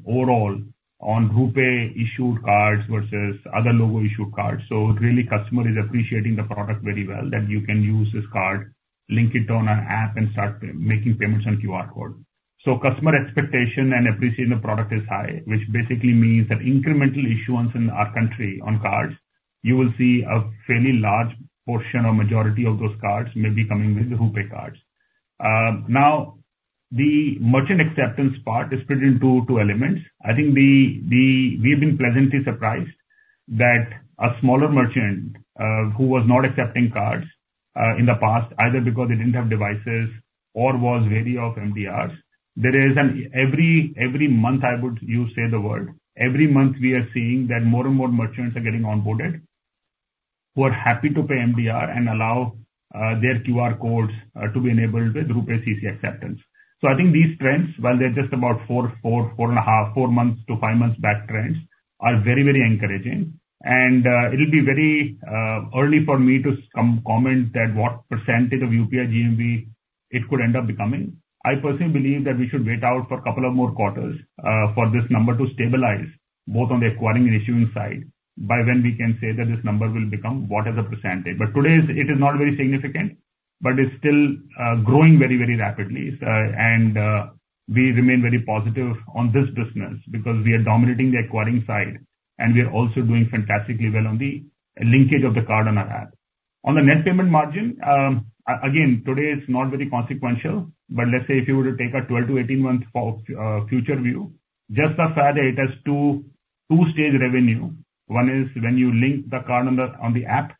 overall on RuPay issued cards versus other logo issued cards. So really, customer is appreciating the product very well, that you can use this card, link it on our app, and start making payments on QR Code. So customer expectation and appreciation of the product is high, which basically means that incremental issuance in our country on cards, you will see a fairly large portion or majority of those cards may be coming with RuPay cards. Now, the merchant acceptance part is split into two elements. I think we have been pleasantly surprised that a smaller merchant who was not accepting cards in the past, either because they didn't have devices or was wary of MDRs, every month we are seeing that more and more merchants are getting onboarded, who are happy to pay MDR and allow their QR codes to be enabled with RuPay CC acceptance. So I think these trends, while they're just about 4.5 months to 5 months back trends, are very, very encouraging. And it'll be very early for me to comment that what percentage of UPI GMV it could end up becoming. I personally believe that we should wait out for a couple of more quarters for this number to stabilize, both on the acquiring and issuing side, by when we can say that this number will become what is the percentage. But today, it is not very significant, but it's still growing very, very rapidly. And we remain very positive on this business because we are dominating the acquiring side, and we are also doing fantastically well on the linkage of the card on our app. On the net payment margin, again, today it's not very consequential, but let's say if you were to take a 12-18 month future view, just as Friday, it has two, two-stage revenue. One is when you link the card on the app,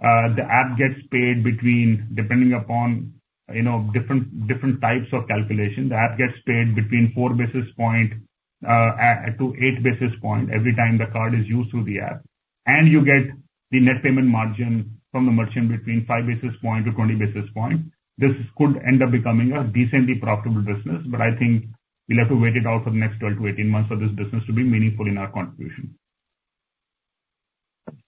the app gets paid between, depending upon, you know, different types of calculation, the app gets paid between 4 basis points to 8 basis points, every time the card is used through the app. You get the net payment margin from the merchant between 5 basis points to 20 basis points. This could end up becoming a decently profitable business, but I think we'll have to wait it out for the next 12 to 18 months for this business to be meaningful in our contribution.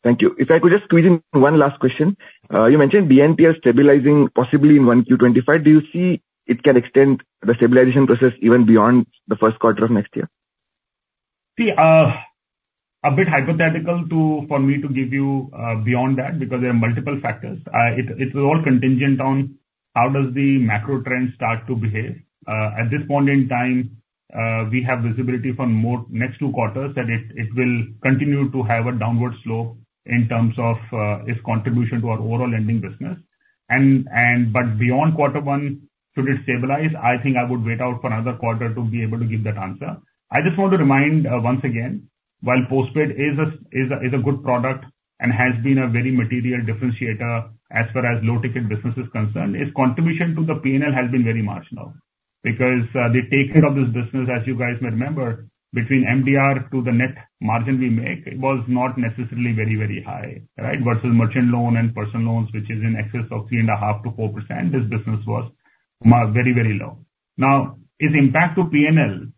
Thank you. If I could just squeeze in one last question. You mentioned BNPL stabilizing possibly in 1Q25. Do you see it can extend the stabilization process even beyond the Q1 of next year? See, a bit hypothetical too for me to give you beyond that, because there are multiple factors. It will all be contingent on how the macro trend starts to behave. At this point in time, we have visibility for the next two quarters that it will continue to have a downward slope in terms of its contribution to our overall lending business. But beyond quarter one, should it stabilize? I think I would wait out for another quarter to be able to give that answer. I just want to remind once again, while Postpaid is a good product and has been a very material differentiator as far as low-ticket business is concerned, its contribution to the P&L has been very marginal. Because, the take rate of this business, as you guys might remember, between MDR to the net margin we make, it was not necessarily very, very high, right? Versus merchant loan and personal loans, which is in excess of 3.5%-4%, this business was very, very low. Now, its impact to PNL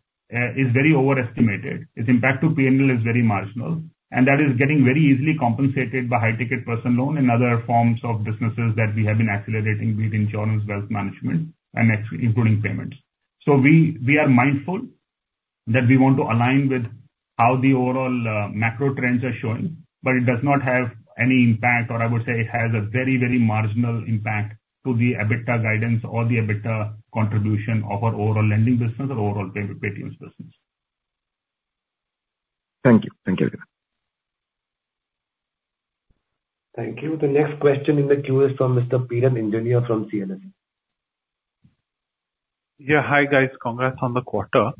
is very overestimated. Its impact to PNL is very marginal, and that is getting very easily compensated by high-ticket personal loan and other forms of businesses that we have been accelerating with insurance, wealth management, and actually including payments. We are mindful that we want to align with how the overall macro trends are showing, but it does not have any impact, or I would say it has a very, very marginal impact to the EBITDA guidance or the EBITDA contribution of our overall lending business or overall Paytm's business. Thank you. Thank you, again. Thank you. The next question in the queue is from Mr. Piran Engineer from CLSA. Yeah. Hi, guys. Congrats on the quarter.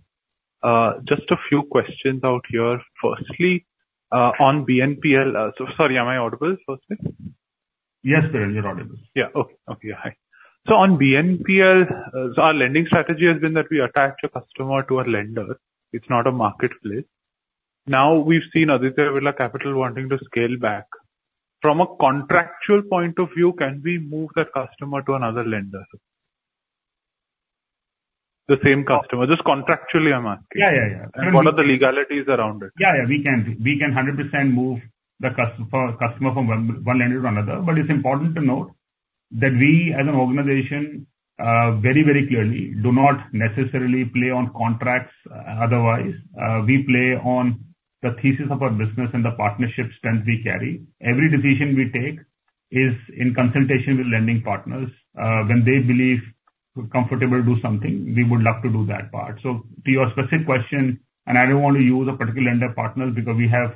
Just a few questions out here. Firstly, on BNPL. So sorry, am I audible, firstly? Yes, sir, you're audible. Yeah. Okay. Okay, hi. So on BNPL, so our lending strategy has been that we attach a customer to a lender. It's not a marketplace. Now, we've seen Aditya Birla Capital wanting to scale back. From a contractual point of view, can we move that customer to another lender? The same customer, just contractually, I'm asking. Yeah, yeah, yeah. What are the legalities around it? Yeah, yeah, we can, we can 100% move the customer from one lender to another. But it's important to note that we, as an organization, very, very clearly do not necessarily play on contracts otherwise. We play on the thesis of our business and the partnership strength we carry. Every decision we take is in consultation with lending partners. When they believe we're comfortable to do something, we would love to do that part. So to your specific question, and I don't want to use a particular lender partner, because we have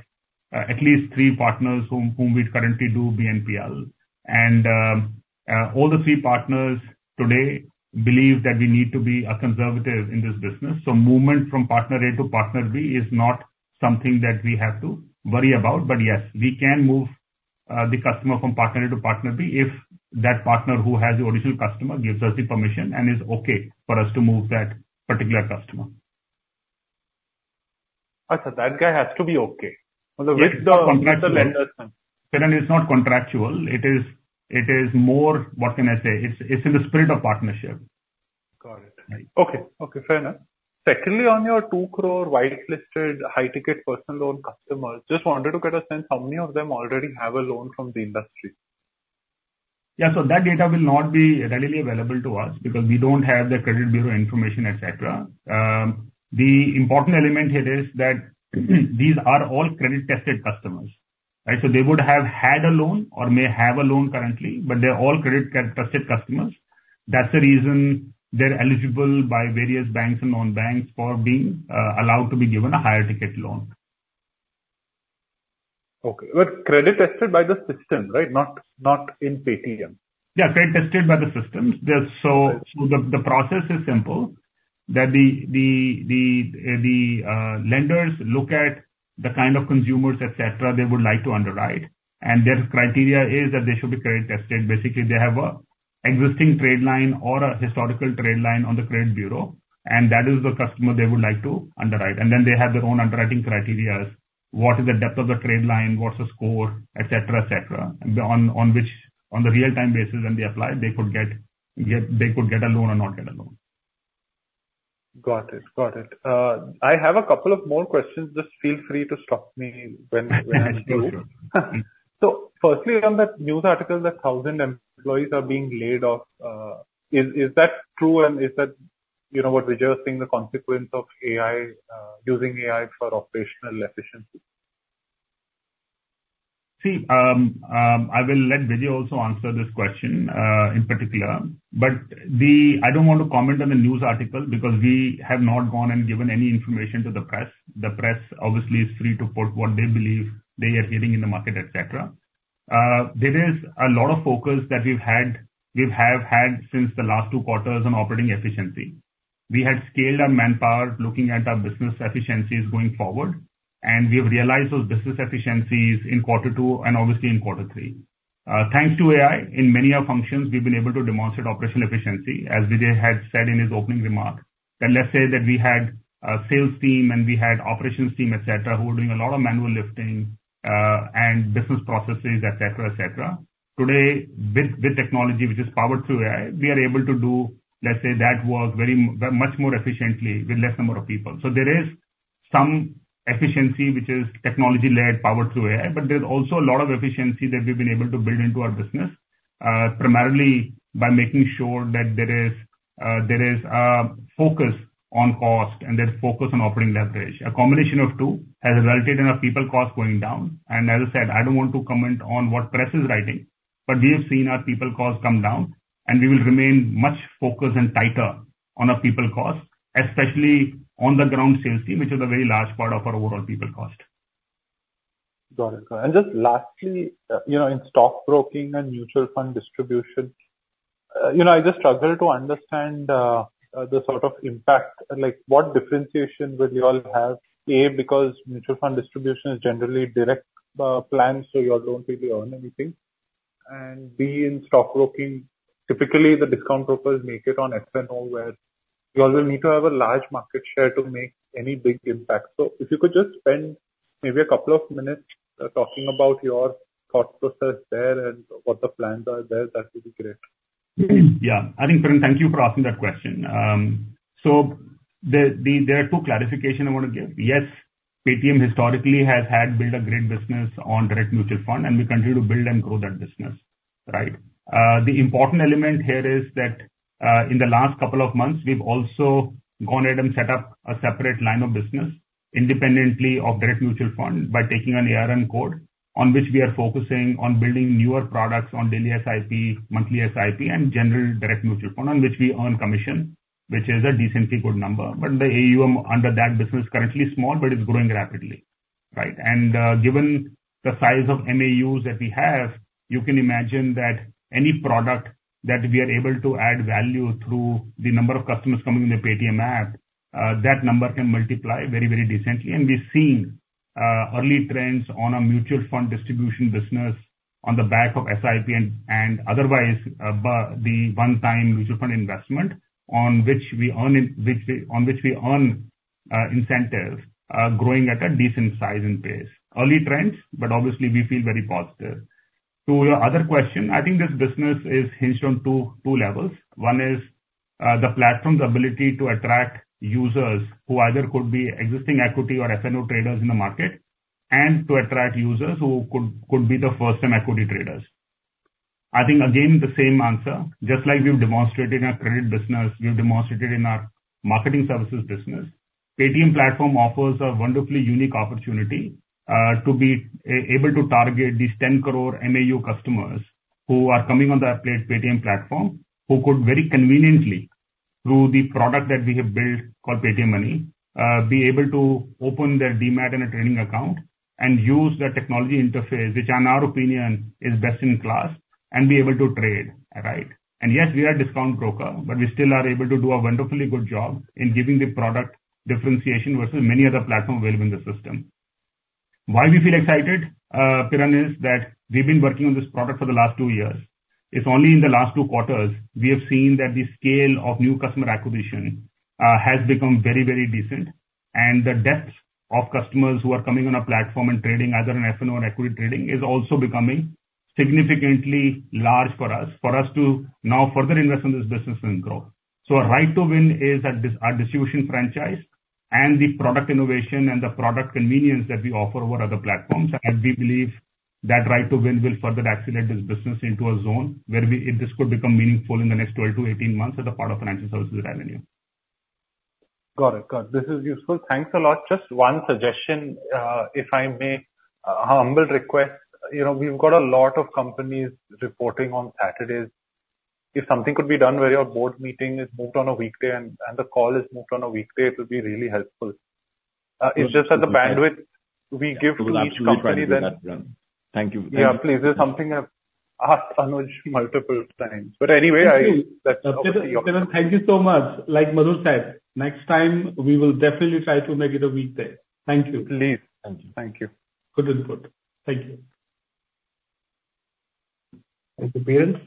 at least three partners whom we currently do BNPL. And all three partners today believe that we need to be conservative in this business. Movement from partner A to partner B is not something that we have to worry about. Yes, we can move the customer from partner A to partner B if that partner who has the original customer gives us the permission and is okay for us to move that particular customer. Okay, that guy has to be okay with the Piran, it's not contractual. It is, it is more... What can I say? It's, it's in the spirit of partnership. Got it. Right. Okay. Okay, fair enough. Secondly, on your 2 crore whitelisted high-ticket personal loan customers, just wanted to get a sense how many of them already have a loan from the industry? Yeah, so that data will not be readily available to us because we don't have the credit bureau information, et cetera. The important element here is that, these are all credit-tested customers, right? So they would have had a loan or may have a loan currently, but they're all credit-tested customers. That's the reason they're eligible by various banks and non-banks for being allowed to be given a higher ticket loan. Okay. But credit-tested by the system, right? Not, not in Paytm. Yeah, credit-tested by the system. There's so- Right. So the process is simple, that the lenders look at the kind of consumers, et cetera, they would like to underwrite, and their criteria is that they should be credit-tested. Basically, they have an existing credit line or a historical credit line on the credit bureau, and that is the customer they would like to underwrite. And then they have their own underwriting criteria. What is the depth of the credit line? What's the score? Et cetera, et cetera. On which, on the real-time basis when they apply, they could get a loan or not get a loan. Got it. Got it. I have a couple of more questions. Just feel free to stop me when, when I need to. Mm-hmm. So firstly, on that news article, that 1,000 employees are being laid off, is, is that true? And is that, you know, what we're just seeing the consequence of AI, using AI for operational efficiency? See, I will let Vijay also answer this question, in particular. But the... I don't want to comment on the news article because we have not gone and given any information to the press. The press obviously is free to put what they believe they are hearing in the market, et cetera. There is a lot of focus that we've had, we have had since the last two quarters on operating efficiency. We had scaled our manpower looking at our business efficiencies going forward, and we've realized those business efficiencies in quarter two and obviously in quarter three. Thanks to AI, in many of our functions, we've been able to demonstrate operational efficiency, as Vijay had said in his opening remarks. That, let's say, we had a sales team and we had operations team, et cetera, et cetera, who were doing a lot of manual lifting and business processes, et cetera, et cetera. Today, with technology, which is powered through AI, we are able to do, let's say, that work very much more efficiently with less number of people. So there is some efficiency which is technology-led, powered through AI, but there's also a lot of efficiency that we've been able to build into our business, primarily by making sure that there is a focus on cost and there's focus on operating leverage. A combination of two has resulted in our people cost going down. As I said, I don't want to comment on what press is writing, but we have seen our people cost come down, and we will remain much focused and tighter on our people cost, especially on the ground sales team, which is a very large part of our overall people cost.... Got it. And just lastly, you know, in stockbroking and mutual fund distribution, you know, I just struggle to understand, the sort of impact, like what differentiation will you all have? A, because mutual fund distribution is generally direct plans, so you all don't really earn anything. And B, in stockbroking, typically the discount brokers make it on F&O, where you also need to have a large market share to make any big impact. So if you could just spend maybe a couple of minutes, talking about your thought process there and what the plans are there, that would be great. Yeah. I think, Piran, thank you for asking that question. So the, there are two clarification I want to give. Yes, Paytm historically has had built a great business on direct mutual fund, and we continue to build and grow that business, right? The important element here is that, in the last couple of months, we've also gone ahead and set up a separate line of business independently of direct mutual fund by taking an ARN code, on which we are focusing on building newer products on daily SIP, monthly SIP, and general direct mutual fund, on which we earn commission, which is a decently good number. But the AUM under that business currently is small, but it's growing rapidly, right? And, given the size of MAUs that we have, you can imagine that any product that we are able to add value through the number of customers coming in the Paytm app, that number can multiply very, very decently. And we've seen early trends on our mutual fund distribution business on the back of SIP and otherwise by the one-time mutual fund investment, on which we earn in, which we, on which we earn incentives, growing at a decent size and pace. Early trends, but obviously we feel very positive. To your other question, I think this business is hinged on two, two levels. One is the platform's ability to attract users who either could be existing equity or F&O traders in the market, and to attract users who could, could be the first-time equity traders. I think, again, the same answer, just like we've demonstrated in our credit business, we've demonstrated in our marketing services business, Paytm platform offers a wonderfully unique opportunity to be able to target these 10 crore MAU customers who are coming on the Paytm platform, who could very conveniently, through the product that we have built called Paytm Money, be able to open their Demat and a trading account and use the technology interface, which in our opinion, is best in class, and be able to trade, right? And yes, we are a discount broker, but we still are able to do a wonderfully good job in giving the product differentiation versus many other platforms available in the system. Why we feel excited, Piran, is that we've been working on this product for the last 2 years. It's only in the last two quarters, we have seen that the scale of new customer acquisition has become very, very decent, and the depth of customers who are coming on our platform and trading, either in F&O or equity trading, is also becoming significantly large for us, for us to now further invest in this business and grow. So our right to win is at this, our distribution franchise and the product innovation and the product convenience that we offer over other platforms. We believe that right to win will further accelerate this business into a zone where we... This could become meaningful in the next 12-18 months as a part of financial services revenue. Got it, got it. This is useful. Thanks a lot. Just one suggestion, if I may, a humble request. You know, we've got a lot of companies reporting on Saturdays. If something could be done where your board meeting is moved on a weekday and, and the call is moved on a weekday, it'll be really helpful. It's just that the bandwidth we give to each company then- Thank you. Yeah, please. This is something I've asked Anuj multiple times. But anyway, I- Piran, Piran, thank you so much. Like Madhu said, next time we will definitely try to make it a weekday. Thank you. Please. Thank you. Good input. Thank you. Thanks, Piran.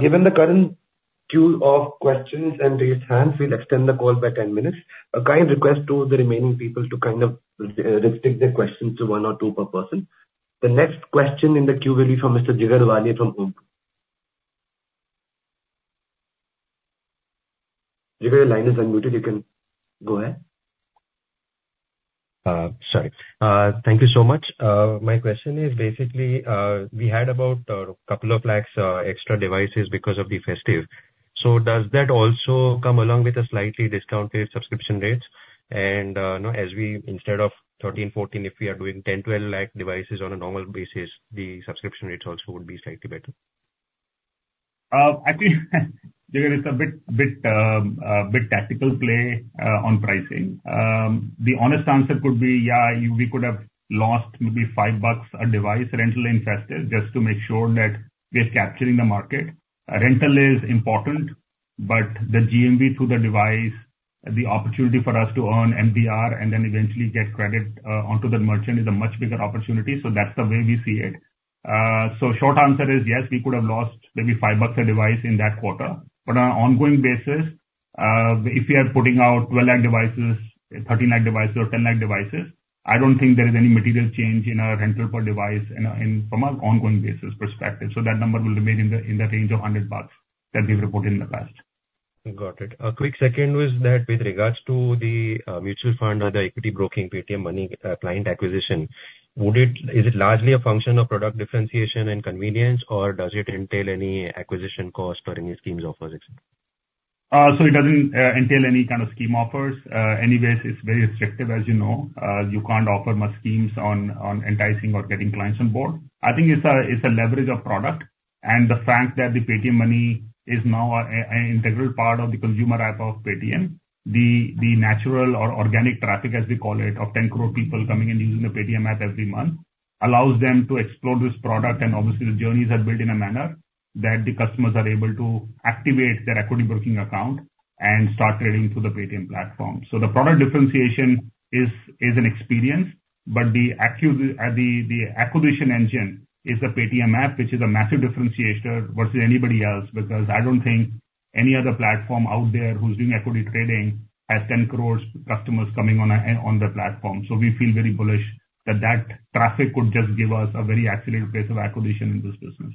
Given the current queue of questions and raised hands, we'll extend the call by 10 minutes. A kind request to the remaining people to kind of restrict their questions to one or two per person. The next question in the queue will be from Mr. Jigar Valia from Ohana. Jigar, your line is unmuted, you can go ahead. Sorry. Thank you so much. My question is basically, we had about a couple of lakhs extra devices because of the festive. So does that also come along with a slightly discounted subscription rates? And, you know, as we, instead of 13, 14, if we are doing 10, 12 lakh devices on a normal basis, the subscription rates also would be slightly better. Actually, Jigar, it's a bit tactical play on pricing. The honest answer could be, yeah, we could have lost maybe INR 5 a device rental in festive, just to make sure that we are capturing the market. Rental is important, but the GMV through the device, the opportunity for us to earn MDR and then eventually get credit onto the merchant is a much bigger opportunity. So that's the way we see it. So short answer is, yes, we could have lost maybe INR 5 a device in that quarter. But on an ongoing basis, if we are putting out 12 lakh devices, 13 lakh devices or 10 lakh devices, I don't think there is any material change in our rental per device from an ongoing basis perspective. So that number will remain in the range of $100 that we've reported in the past. Got it. A quick second was that with regards to the mutual fund or the equity broking Paytm Money, client acquisition, would it... Is it largely a function of product differentiation and convenience, or does it entail any acquisition cost or any schemes offers? So it doesn't entail any kind of scheme offers. Anyways, it's very restrictive, as you know. You can't offer much schemes on enticing or getting clients on board. I think it's a leverage of product and the fact that the Paytm Money is now an integral part of the consumer app of Paytm. The natural or organic traffic, as we call it, of 10 crore people coming and using the Paytm app every month, allows them to explore this product, and obviously, the journeys are built in a manner that the customers are able to activate their equity broking account and start trading through the Paytm platform. So the product differentiation is an experience, but the acquisition engine is the Paytm app, which is a massive differentiator versus anybody else, because I don't think any other platform out there who's doing equity trading has 10 crore customers coming on their platform. So we feel very bullish that that traffic could just give us a very accelerated pace of acquisition in this business.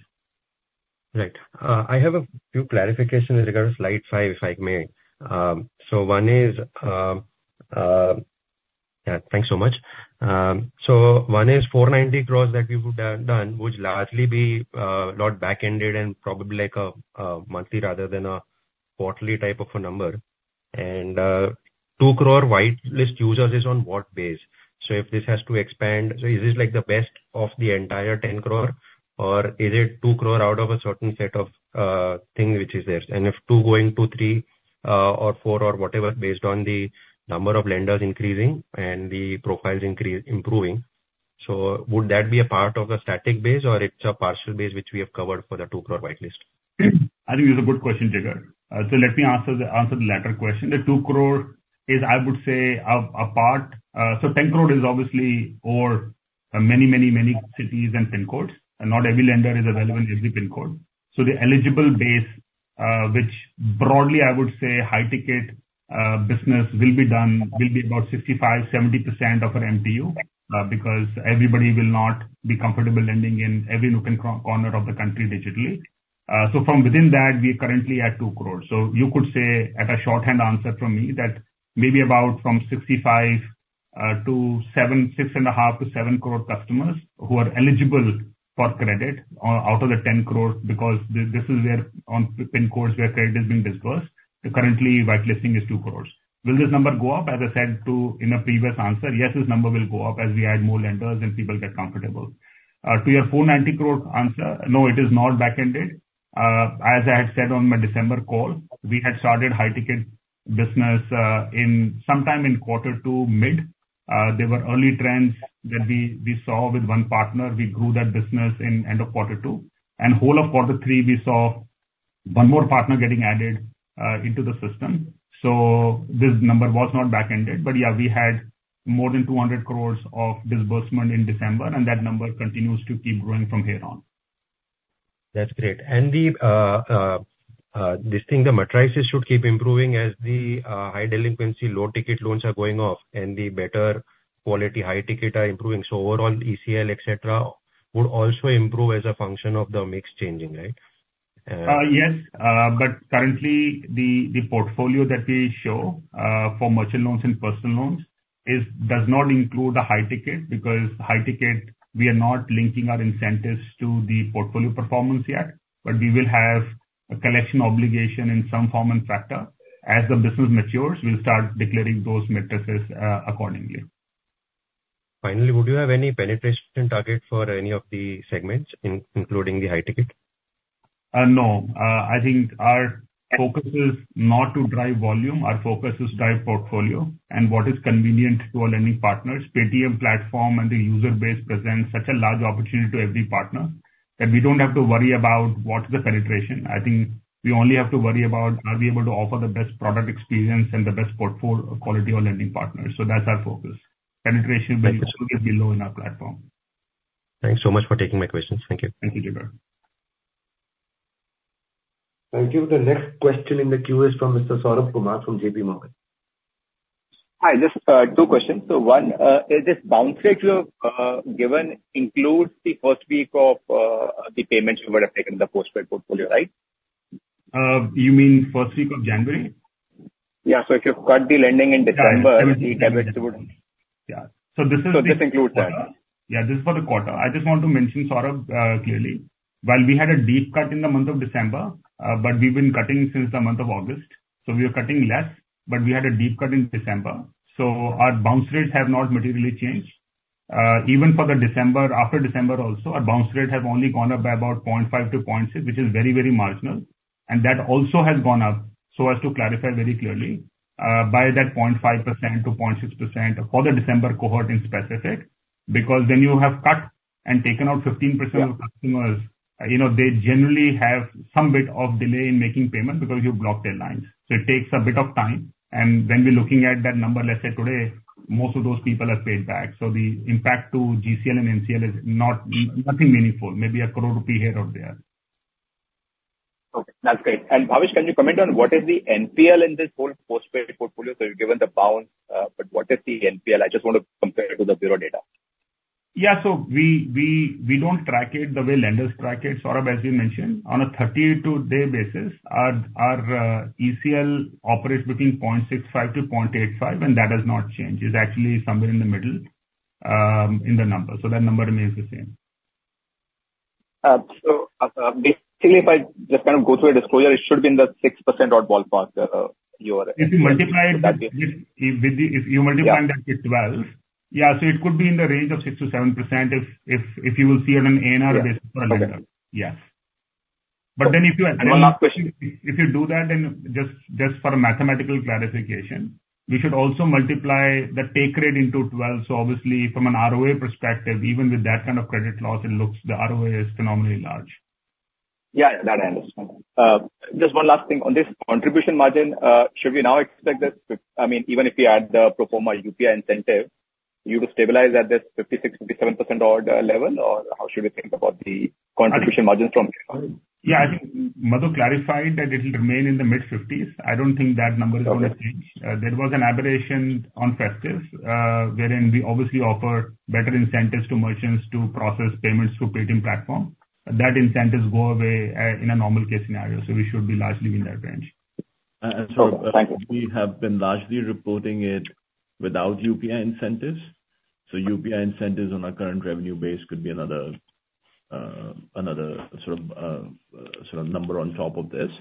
Right. I have a few clarifications in regard to slide five, if I may. So one is 490 crore that you would have done, would largely be not back-ended and probably like a monthly rather than a quarterly type of a number. And 2 crore whitelist users is on what base? So if this has to expand, so is this like the best of the entire 10 crore, or is it 2 crore out of a certain set of thing which is there? And if 2 going to 3, or 4, or whatever, based on the number of lenders increasing and the profiles improving, so would that be a part of a static base, or it's a partial base which we have covered for the 2 crore whitelist? I think it's a good question, Jigar. So let me answer the latter question. The two crore is, I would say, a part. So 10 crore is obviously over many, many, many cities and pin codes, and not every lender is available in every pin code. So the eligible base, which broadly I would say high-ticket business will be about 65%-70% of our MTU, because everybody will not be comfortable lending in every nook and corner of the country digitally. So from within that, we are currently at 2 crores. So you could say, as a shorthand answer from me, that maybe about 6.5-7 crore customers who are eligible for credit, out of the 10 crores, because this is where on pin codes where credit is being disbursed. So currently, whitelisting is 2 crores. Will this number go up? As I said to in a previous answer, yes, this number will go up as we add more lenders and people get comfortable. To your 490 crore answer, no, it is not back-ended. As I had said on my December call, we had started high-ticket business in sometime in quarter two, mid. There were early trends that we saw with one partner. We grew that business in end of quarter two. Whole of quarter three, we saw one more partner getting added into the system. So this number was not back-ended. But yeah, we had more than 200 crore of disbursement in December, and that number continues to keep growing from here on. That's great. And the metrics should keep improving as the high delinquency, low-ticket loans are going off and the better quality high-ticket are improving. So overall, ECL, et cetera, would also improve as a function of the mix changing, right? Yes. But currently, the portfolio that we show for merchant loans and personal loans does not include the high-ticket, because high-ticket, we are not linking our incentives to the portfolio performance yet, but we will have a collection obligation in some form and factor. As the business matures, we'll start declaring those matrices accordingly. Finally, would you have any penetration target for any of the segments, including the high-ticket? No. I think our focus is not to drive volume. Our focus is drive portfolio and what is convenient to our lending partners. Paytm platform and the user base presents such a large opportunity to every partner, that we don't have to worry about what is the penetration. I think we only have to worry about, are we able to offer the best product experience and the best portfolio quality of lending partners. So that's our focus. Penetration will be- Thank you. Below in our platform. Thanks so much for taking my questions. Thank you. Thank you, Jigar. Thank you. The next question in the queue is from Mr. Saurabh Kumar from JP Morgan. Hi, just two questions. So one, is this bounce rate you have given includes the first week of the payments you would have taken in the postpaid portfolio, right? You mean first week of January? Yeah. So if you cut the lending in December- Yeah. The debits would. Yeah. So this is the- So this includes that? Yeah, this is for the quarter. I just want to mention, Saurabh, clearly, while we had a deep cut in the month of December, but we've been cutting since the month of August. So we are cutting less, but we had a deep cut in December. So our bounce rates have not materially changed. Even for the December, after December also, our bounce rate have only gone up by about 0.5%-0.6%, which is very, very marginal. And that also has gone up, so as to clarify very clearly, by that 0.5% to 0.6% for the December cohort in specific, because when you have cut and taken out 15%- Yeah. Of customers, you know, they generally have some bit of delay in making payment because you block their lines. So it takes a bit of time. And when we're looking at that number, let's say today, most of those people have paid back. So the impact to GCL and NCL is not nothing meaningful, maybe 1 crore rupee here or there. Okay, that's great. And Bhavesh, can you comment on what is the NPL in this whole Postpaid portfolio? So you've given the bounce, but what is the NPL? I just want to compare it to the bureau data. Yeah. So we don't track it the way lenders track it. Saurabh, as we mentioned, on a 32-day basis, our ECL operates between 0.65-0.85, and that has not changed. It's actually somewhere in the middle, in the number. So that number remains the same. So, basically, if I just kind of go through a disclosure, it should be in the 6% odd ballpark, your- If you multiply that with 12... Yeah, so it could be in the range of 6%-7% if you will see it on an ENR basis. Yeah. Yes. But then if you- One last question. If you do that, then just for a mathematical clarification, we should also multiply the take rate into 12, so obviously from an ROA perspective, even with that kind of credit loss, it looks the ROA is phenomenally large. Yeah, that I understand. Just one last thing. On this contribution margin, should we now expect that, I mean, even if we add the pro forma UPI incentive, you to stabilize at this 56-57% order level, or how should we think about the contribution margins from here on? Yeah, I think Madhu clarified that it will remain in the mid-fifties. I don't think that number is gonna change. Okay. There was an aberration on festive, wherein we obviously offered better incentives to merchants to process payments through Paytm platform. That incentives go away, in a normal case scenario, so we should be largely in that range. Thank you. We have been largely reporting it without UPI incentives. So UPI incentives on our current revenue base could be another sort of number on top of this.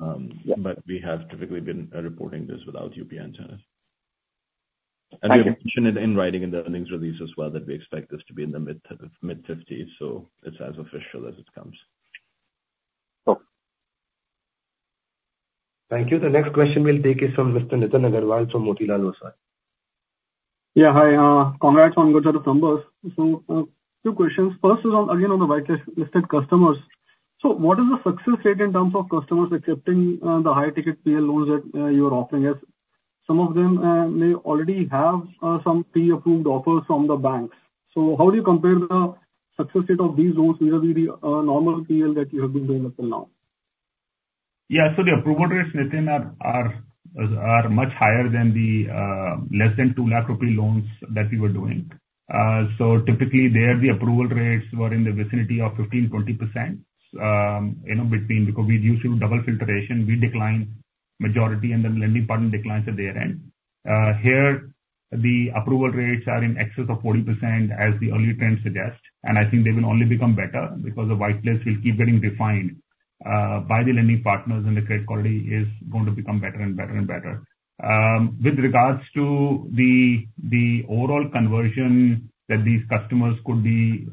But we have typically been reporting this without UPI incentives. Okay. We have mentioned it in writing in the earnings release as well, that we expect this to be in the mid-50s, so it's as official as it comes. Cool. Thank you. The next question we'll take is from Mr. Nitin Aggarwal from Motilal Oswal. Yeah, hi. Congrats on good set of numbers. So, two questions. First is on, again, on the whitelist listed customers. So what is the success rate in terms of customers accepting the high-ticket PL loans that you are offering, as some of them may already have some pre-approved offers from the banks? So how do you compare the success rate of these loans vis-a-vis the normal PL that you have been doing until now? Yeah. So the approval rates, Nithin, are much higher than the less than 2 lakh rupee loans that we were doing. So typically, there the approval rates were in the vicinity of 15%-20%, you know, between, because we're using double filtration. We decline majority, and then lending partner declines at their end. Here, the approval rates are in excess of 40%, as the early trend suggests, and I think they will only become better because the whitelist will keep getting refined by the lending partners, and the credit quality is going to become better and better and better. With regards to the overall conversion that these customers could be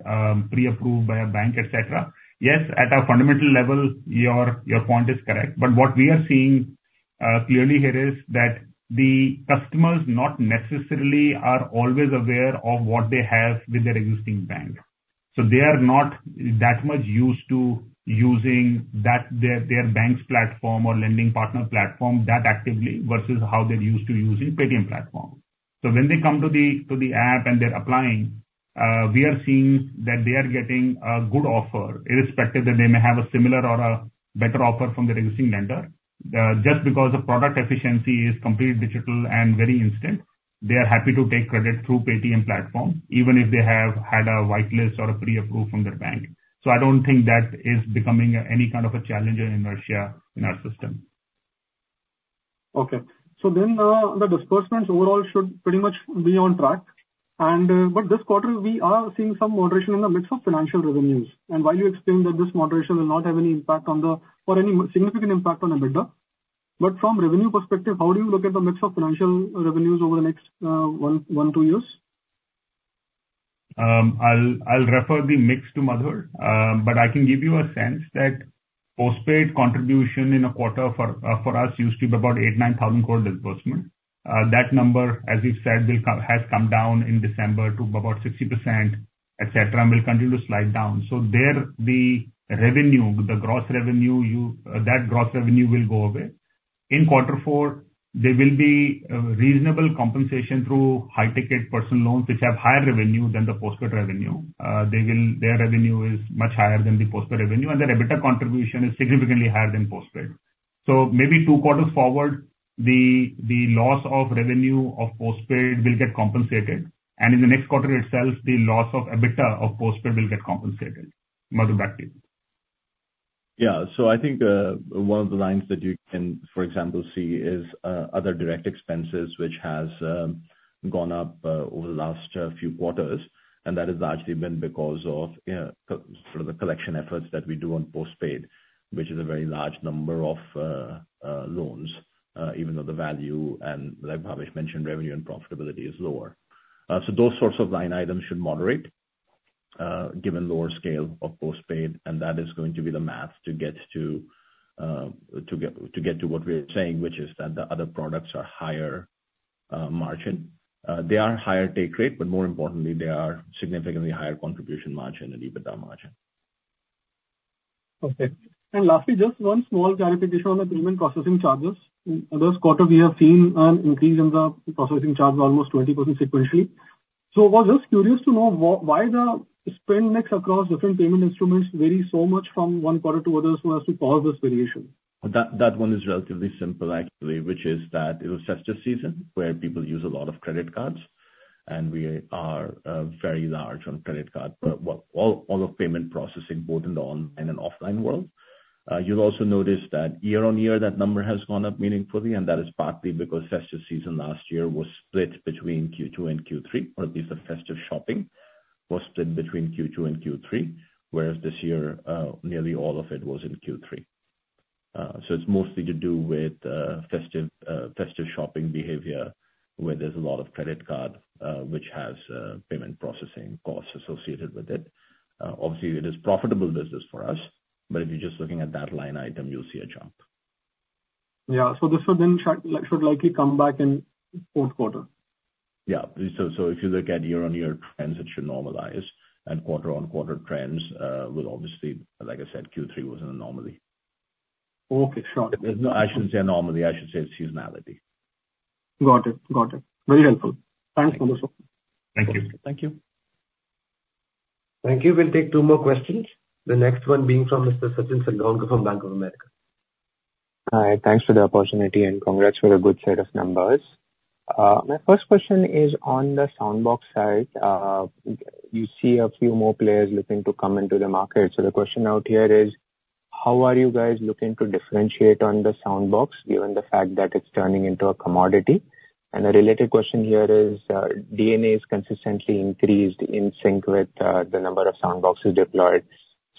pre-approved by a bank, et cetera, yes, at a fundamental level, your point is correct. But what we are seeing clearly here is that the customers not necessarily are always aware of what they have with their existing bank. So they are not that much used to using that, their bank's platform or lending partner platform that actively versus how they're used to using Paytm platform. So when they come to the app and they're applying, we are seeing that they are getting a good offer, irrespective that they may have a similar or a better offer from their existing lender. Just because the product efficiency is completely digital and very instant, they are happy to take credit through Paytm platform, even if they have had a whitelist or a pre-approval from their bank. So I don't think that is becoming any kind of a challenge or inertia in our system. Okay. So then, the disbursements overall should pretty much be on track, and, but this quarter, we are seeing some moderation in the mix of financial revenues. And while you explained that this moderation will not have any impact on the... or any significant impact on the EBITDA, but from revenue perspective, how do you look at the mix of financial revenues over the next, 1, 1, 2 years? I'll refer the mix to Madhur, but I can give you a sense that postpaid contribution in a quarter for us used to be about 8,000-9,000 crore disbursement. That number, as we've said, has come down in December to about 60%, et cetera, and will continue to slide down. So there, the revenue, the gross revenue, you, that gross revenue will go away. In quarter four, there will be a reasonable compensation through high-ticket personal loans, which have higher revenue than the postpaid revenue. They will, their revenue is much higher than the postpaid revenue, and their EBITDA contribution is significantly higher than postpaid. So maybe two quarters forward, the loss of revenue of postpaid will get compensated, and in the next quarter itself, the loss of EBITDA of postpaid will get compensated. Madhu, back to you. Yeah. So I think, one of the lines that you can, for example, see is, other direct expenses which has, gone up, over the last, few quarters, and that has largely been because of, sort of the collection efforts that we do on postpaid, which is a very large number of, loans, even though the value, and like Manish mentioned, revenue and profitability is lower. So those sorts of line items should moderate, given lower scale of postpaid, and that is going to be the math to get to, to get, to get to what we are saying, which is that the other products are higher, margin. They are higher take rate, but more importantly, they are significantly higher contribution margin and EBITDA margin. Okay. Lastly, just one small clarification on the payment processing charges. This quarter, we have seen an increase in the processing charge almost 20% sequentially. I was just curious to know why the spend mix across different payment instruments vary so much from one quarter to other, so as to cause this variation? That, that one is relatively simple, actually, which is that it was festive season, where people use a lot of credit cards, and we are very large on credit card, well, all, all of payment processing, both online and offline. You'll also notice that year-on-year, that number has gone up meaningfully, and that is partly because festive season last year was split between Q2 and Q3, or at least the festive shopping was split between Q2 and Q3, whereas this year, nearly all of it was in Q3. So it's mostly to do with festive shopping behavior, where there's a lot of credit card, which has payment processing costs associated with it. Obviously, it is profitable business for us, but if you're just looking at that line item, you'll see a jump. Yeah. So this will then should likely come back in Q4? Yeah. So, so if you look at year-on-year trends, it should normalize, and quarter-on-quarter trends will obviously, like I said, Q3 was an anomaly. Okay. Sure. There's no- I shouldn't say anomaly, I should say seasonality. Got it. Got it. Very helpful. Thanks for this one. Thank you. Thank you. Thank you. We'll take two more questions, the next one being from Mr. Sachin Salgaonkar from Bank of America. Hi. Thanks for the opportunity, and congrats for a good set of numbers. My first question is on the Soundbox side. We see a few more players looking to come into the market. So the question out here is: How are you guys looking to differentiate on the Soundbox, given the fact that it's turning into a commodity? And a related question here is, DNA is consistently increased in sync with the number of Soundboxes deployed.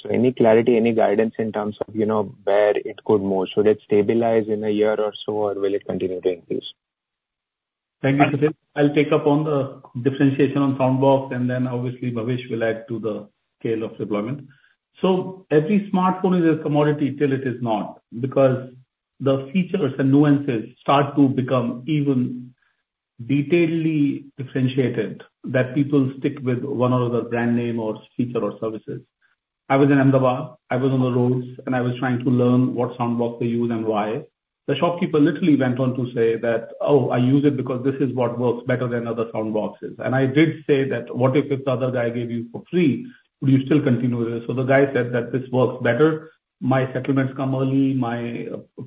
So any clarity, any guidance in terms of, you know, where it could move? Should it stabilize in a year or so, or will it continue to increase? Thank you, Sachin. I'll pick up on the differentiation on soundbox, and then obviously, Bhavesh will add to the scale of deployment. So every smartphone is a commodity till it is not, because the features and nuances start to become even detailedly differentiated, that people stick with one or other brand name or feature or services. I was in Ahmedabad, I was on the roads, and I was trying to learn what soundbox they use and why. The shopkeeper literally went on to say that, "Oh, I use it because this is what works better than other soundboxes." And I did say that, "What if this other guy gave you for free, would you still continue with this?" So the guy said that, "This works better. My settlements come early, my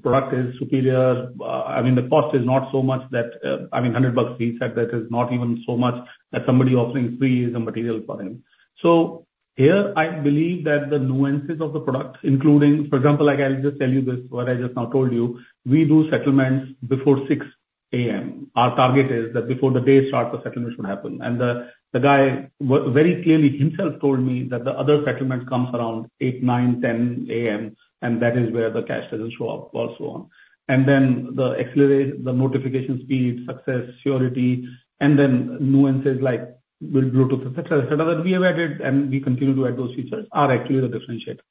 product is superior. I mean, the cost is not so much that... I mean, 100 bucks, he said, that is not even so much that somebody offering free is immaterial for him. So here, I believe that the nuances of the product, including, for example, like I'll just tell you this, what I just now told you, we do settlements before 6 A.M. Our target is that before the day starts, the settlement should happen. And the, the guy very clearly himself told me that the other settlement comes around 8 A.M., 9 A.M., 10 A.M., and that is where the cash doesn't show up, or so on. And then the accelerate, the notification speed, success, surety, and then nuances like with Bluetooth, et cetera, et cetera, that we have added, and we continue to add those features, are actually the differentiator.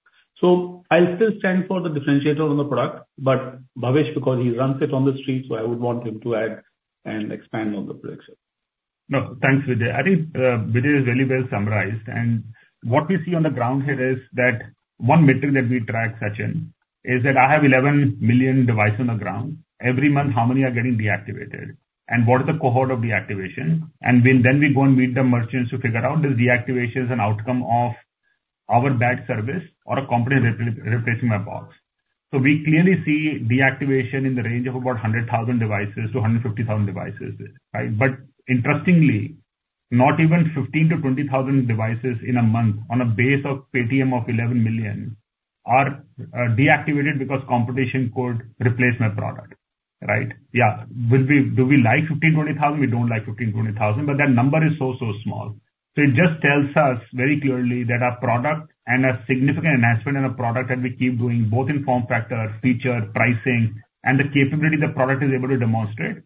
I'll still stand for the differentiator on the product, but Bhavesh, because he runs it on the street, so I would want him to add and expand on the product set. No, thanks, Vijay. I think, Vijay has really well summarized. And what we see on the ground here is that one metric that we track, Sachin, is that I have 11 million device on the ground. Every month, how many are getting deactivated, and what is the cohort of deactivation? And then, then we go and meet the merchants to figure out, is deactivation an outcome of our bad service or a company replacing my box? So we clearly see deactivation in the range of about 100,000 devices-150,000 devices, right? But interestingly, not even 15,000-20,000 devices in a month on a base of Paytm of 11 million are, deactivated because competition could replace my product, right? Yeah. Would we... Do we like 15,000, 20,000? We don't like 15,000, 20,000, but that number is so, so small. So it just tells us very clearly that our product and a significant enhancement in a product, and we keep doing both in form factor, feature, pricing, and the capability the product is able to demonstrate.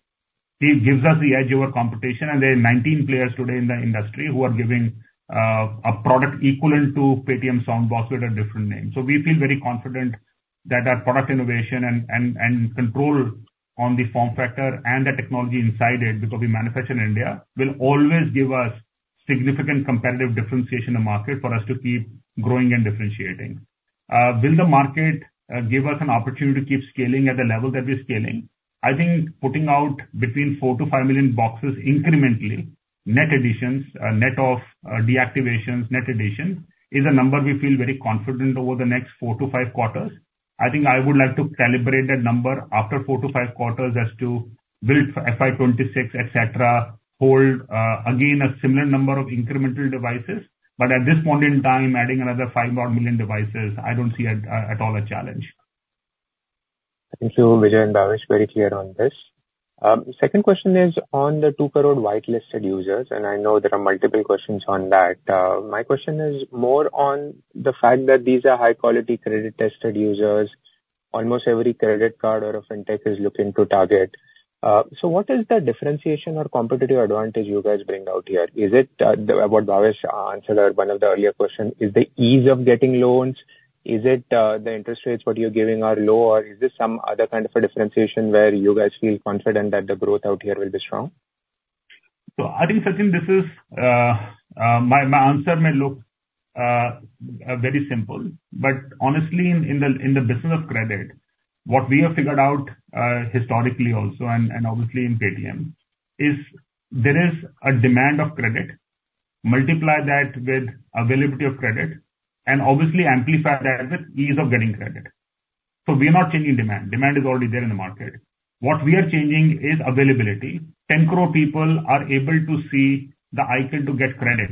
It gives us the edge over competition. And there are 19 players today in the industry who are giving a product equivalent to Paytm Soundbox with a different name. So we feel very confident that our product innovation and, and, and control on the form factor and the technology inside it, because we manufacture in India, will always give us significant competitive differentiation in the market for us to keep growing and differentiating. Will the market give us an opportunity to keep scaling at the level that we're scaling? I think putting out between 4-5 million boxes incrementally, net additions, net of, deactivations, net addition, is a number we feel very confident over the next 4-5 quarters. I think I would like to calibrate that number after 4-5 quarters as to build for FY 2026, etc., hold, again, a similar number of incremental devices. But at this point in time, adding another 5-odd million devices, I don't see it, at all a challenge. Thank you, Vijay and Bhavesh. Very clear on this. Second question is on the 2 crore whitelisted users, and I know there are multiple questions on that. My question is more on the fact that these are high-quality, credit-tested users almost every credit card or a fintech is looking to target. So what is the differentiation or competitive advantage you guys bring out here? Is it what Bhavesh answered one of the earlier question, is the ease of getting loans? Is it the interest rates what you're giving are low, or is this some other kind of a differentiation where you guys feel confident that the growth out here will be strong? So I think, Sachin, my answer may look very simple, but honestly, in the business of credit, what we have figured out historically also and obviously in Paytm, is there a demand of credit. Multiply that with availability of credit, and obviously amplify that with ease of getting credit. So we are not changing demand. Demand is already there in the market. What we are changing is availability. 10 crore people are able to see the icon to get credit,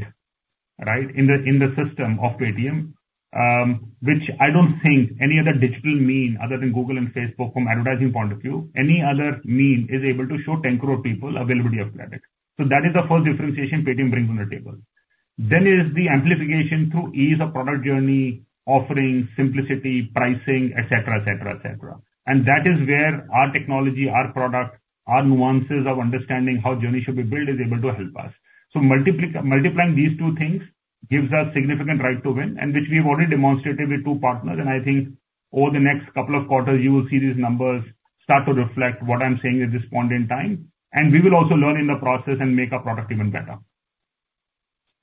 right? In the system of Paytm, which I don't think any other digital means other than Google and Facebook from advertising point of view, any other means is able to show 10 crore people availability of credit. So that is the first differentiation Paytm brings on the table.... Then is the amplification through ease of product journey, offering simplicity, pricing, et cetera, et cetera, et cetera. And that is where our technology, our product, our nuances of understanding how journey should be built is able to help us. So multiplying these two things gives us significant right to win, and which we've already demonstrated with two partners. And I think over the next couple of quarters, you will see these numbers start to reflect what I'm saying at this point in time. And we will also learn in the process and make our product even better.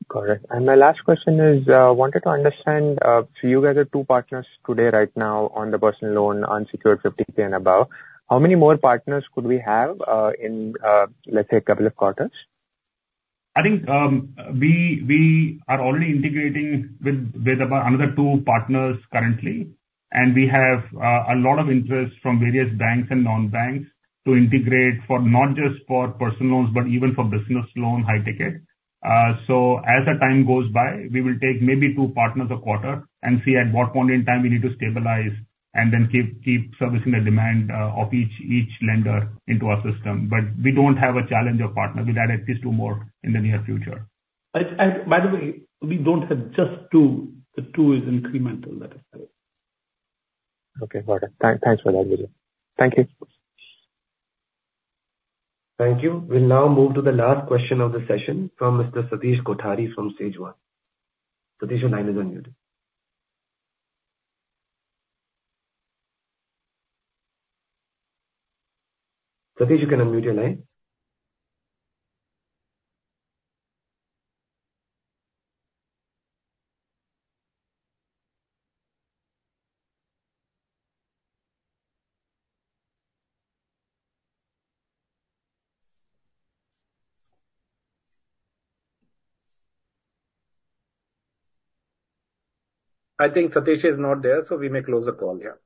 Correct. And my last question is, wanted to understand, so you guys have two partners today, right now, on the personal loan, unsecured 50,000 and above. How many more partners could we have in, let's say, a couple of quarters? I think, we are already integrating with about another two partners currently. And we have a lot of interest from various banks and non-banks to integrate for not just for personal loans, but even for business loan, high ticket. So as the time goes by, we will take maybe two partners a quarter and see at what point in time we need to stabilize and then keep servicing the demand of each lender into our system. But we don't have a challenge of partner. We'll add at least two more in the near future. And by the way, we don't have just two. The two is incremental, let us say. Okay, got it. Thanks for that, Vijay. Thank you. Thank you. We'll now move to the last question of the session from Mr. Satish Kothari from SageOne. Satish, your line is unmuted. Satish, you can unmute your line. I think Satish is not there, so we may close the call here.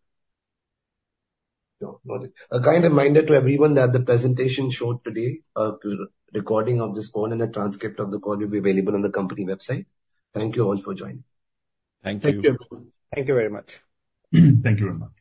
No, got it. A kind reminder to everyone that the presentation showed today, a recording of this call and a transcript of the call will be available on the company website. Thank you all for joining. Thank you. Thank you. Thank you very much. Thank you very much.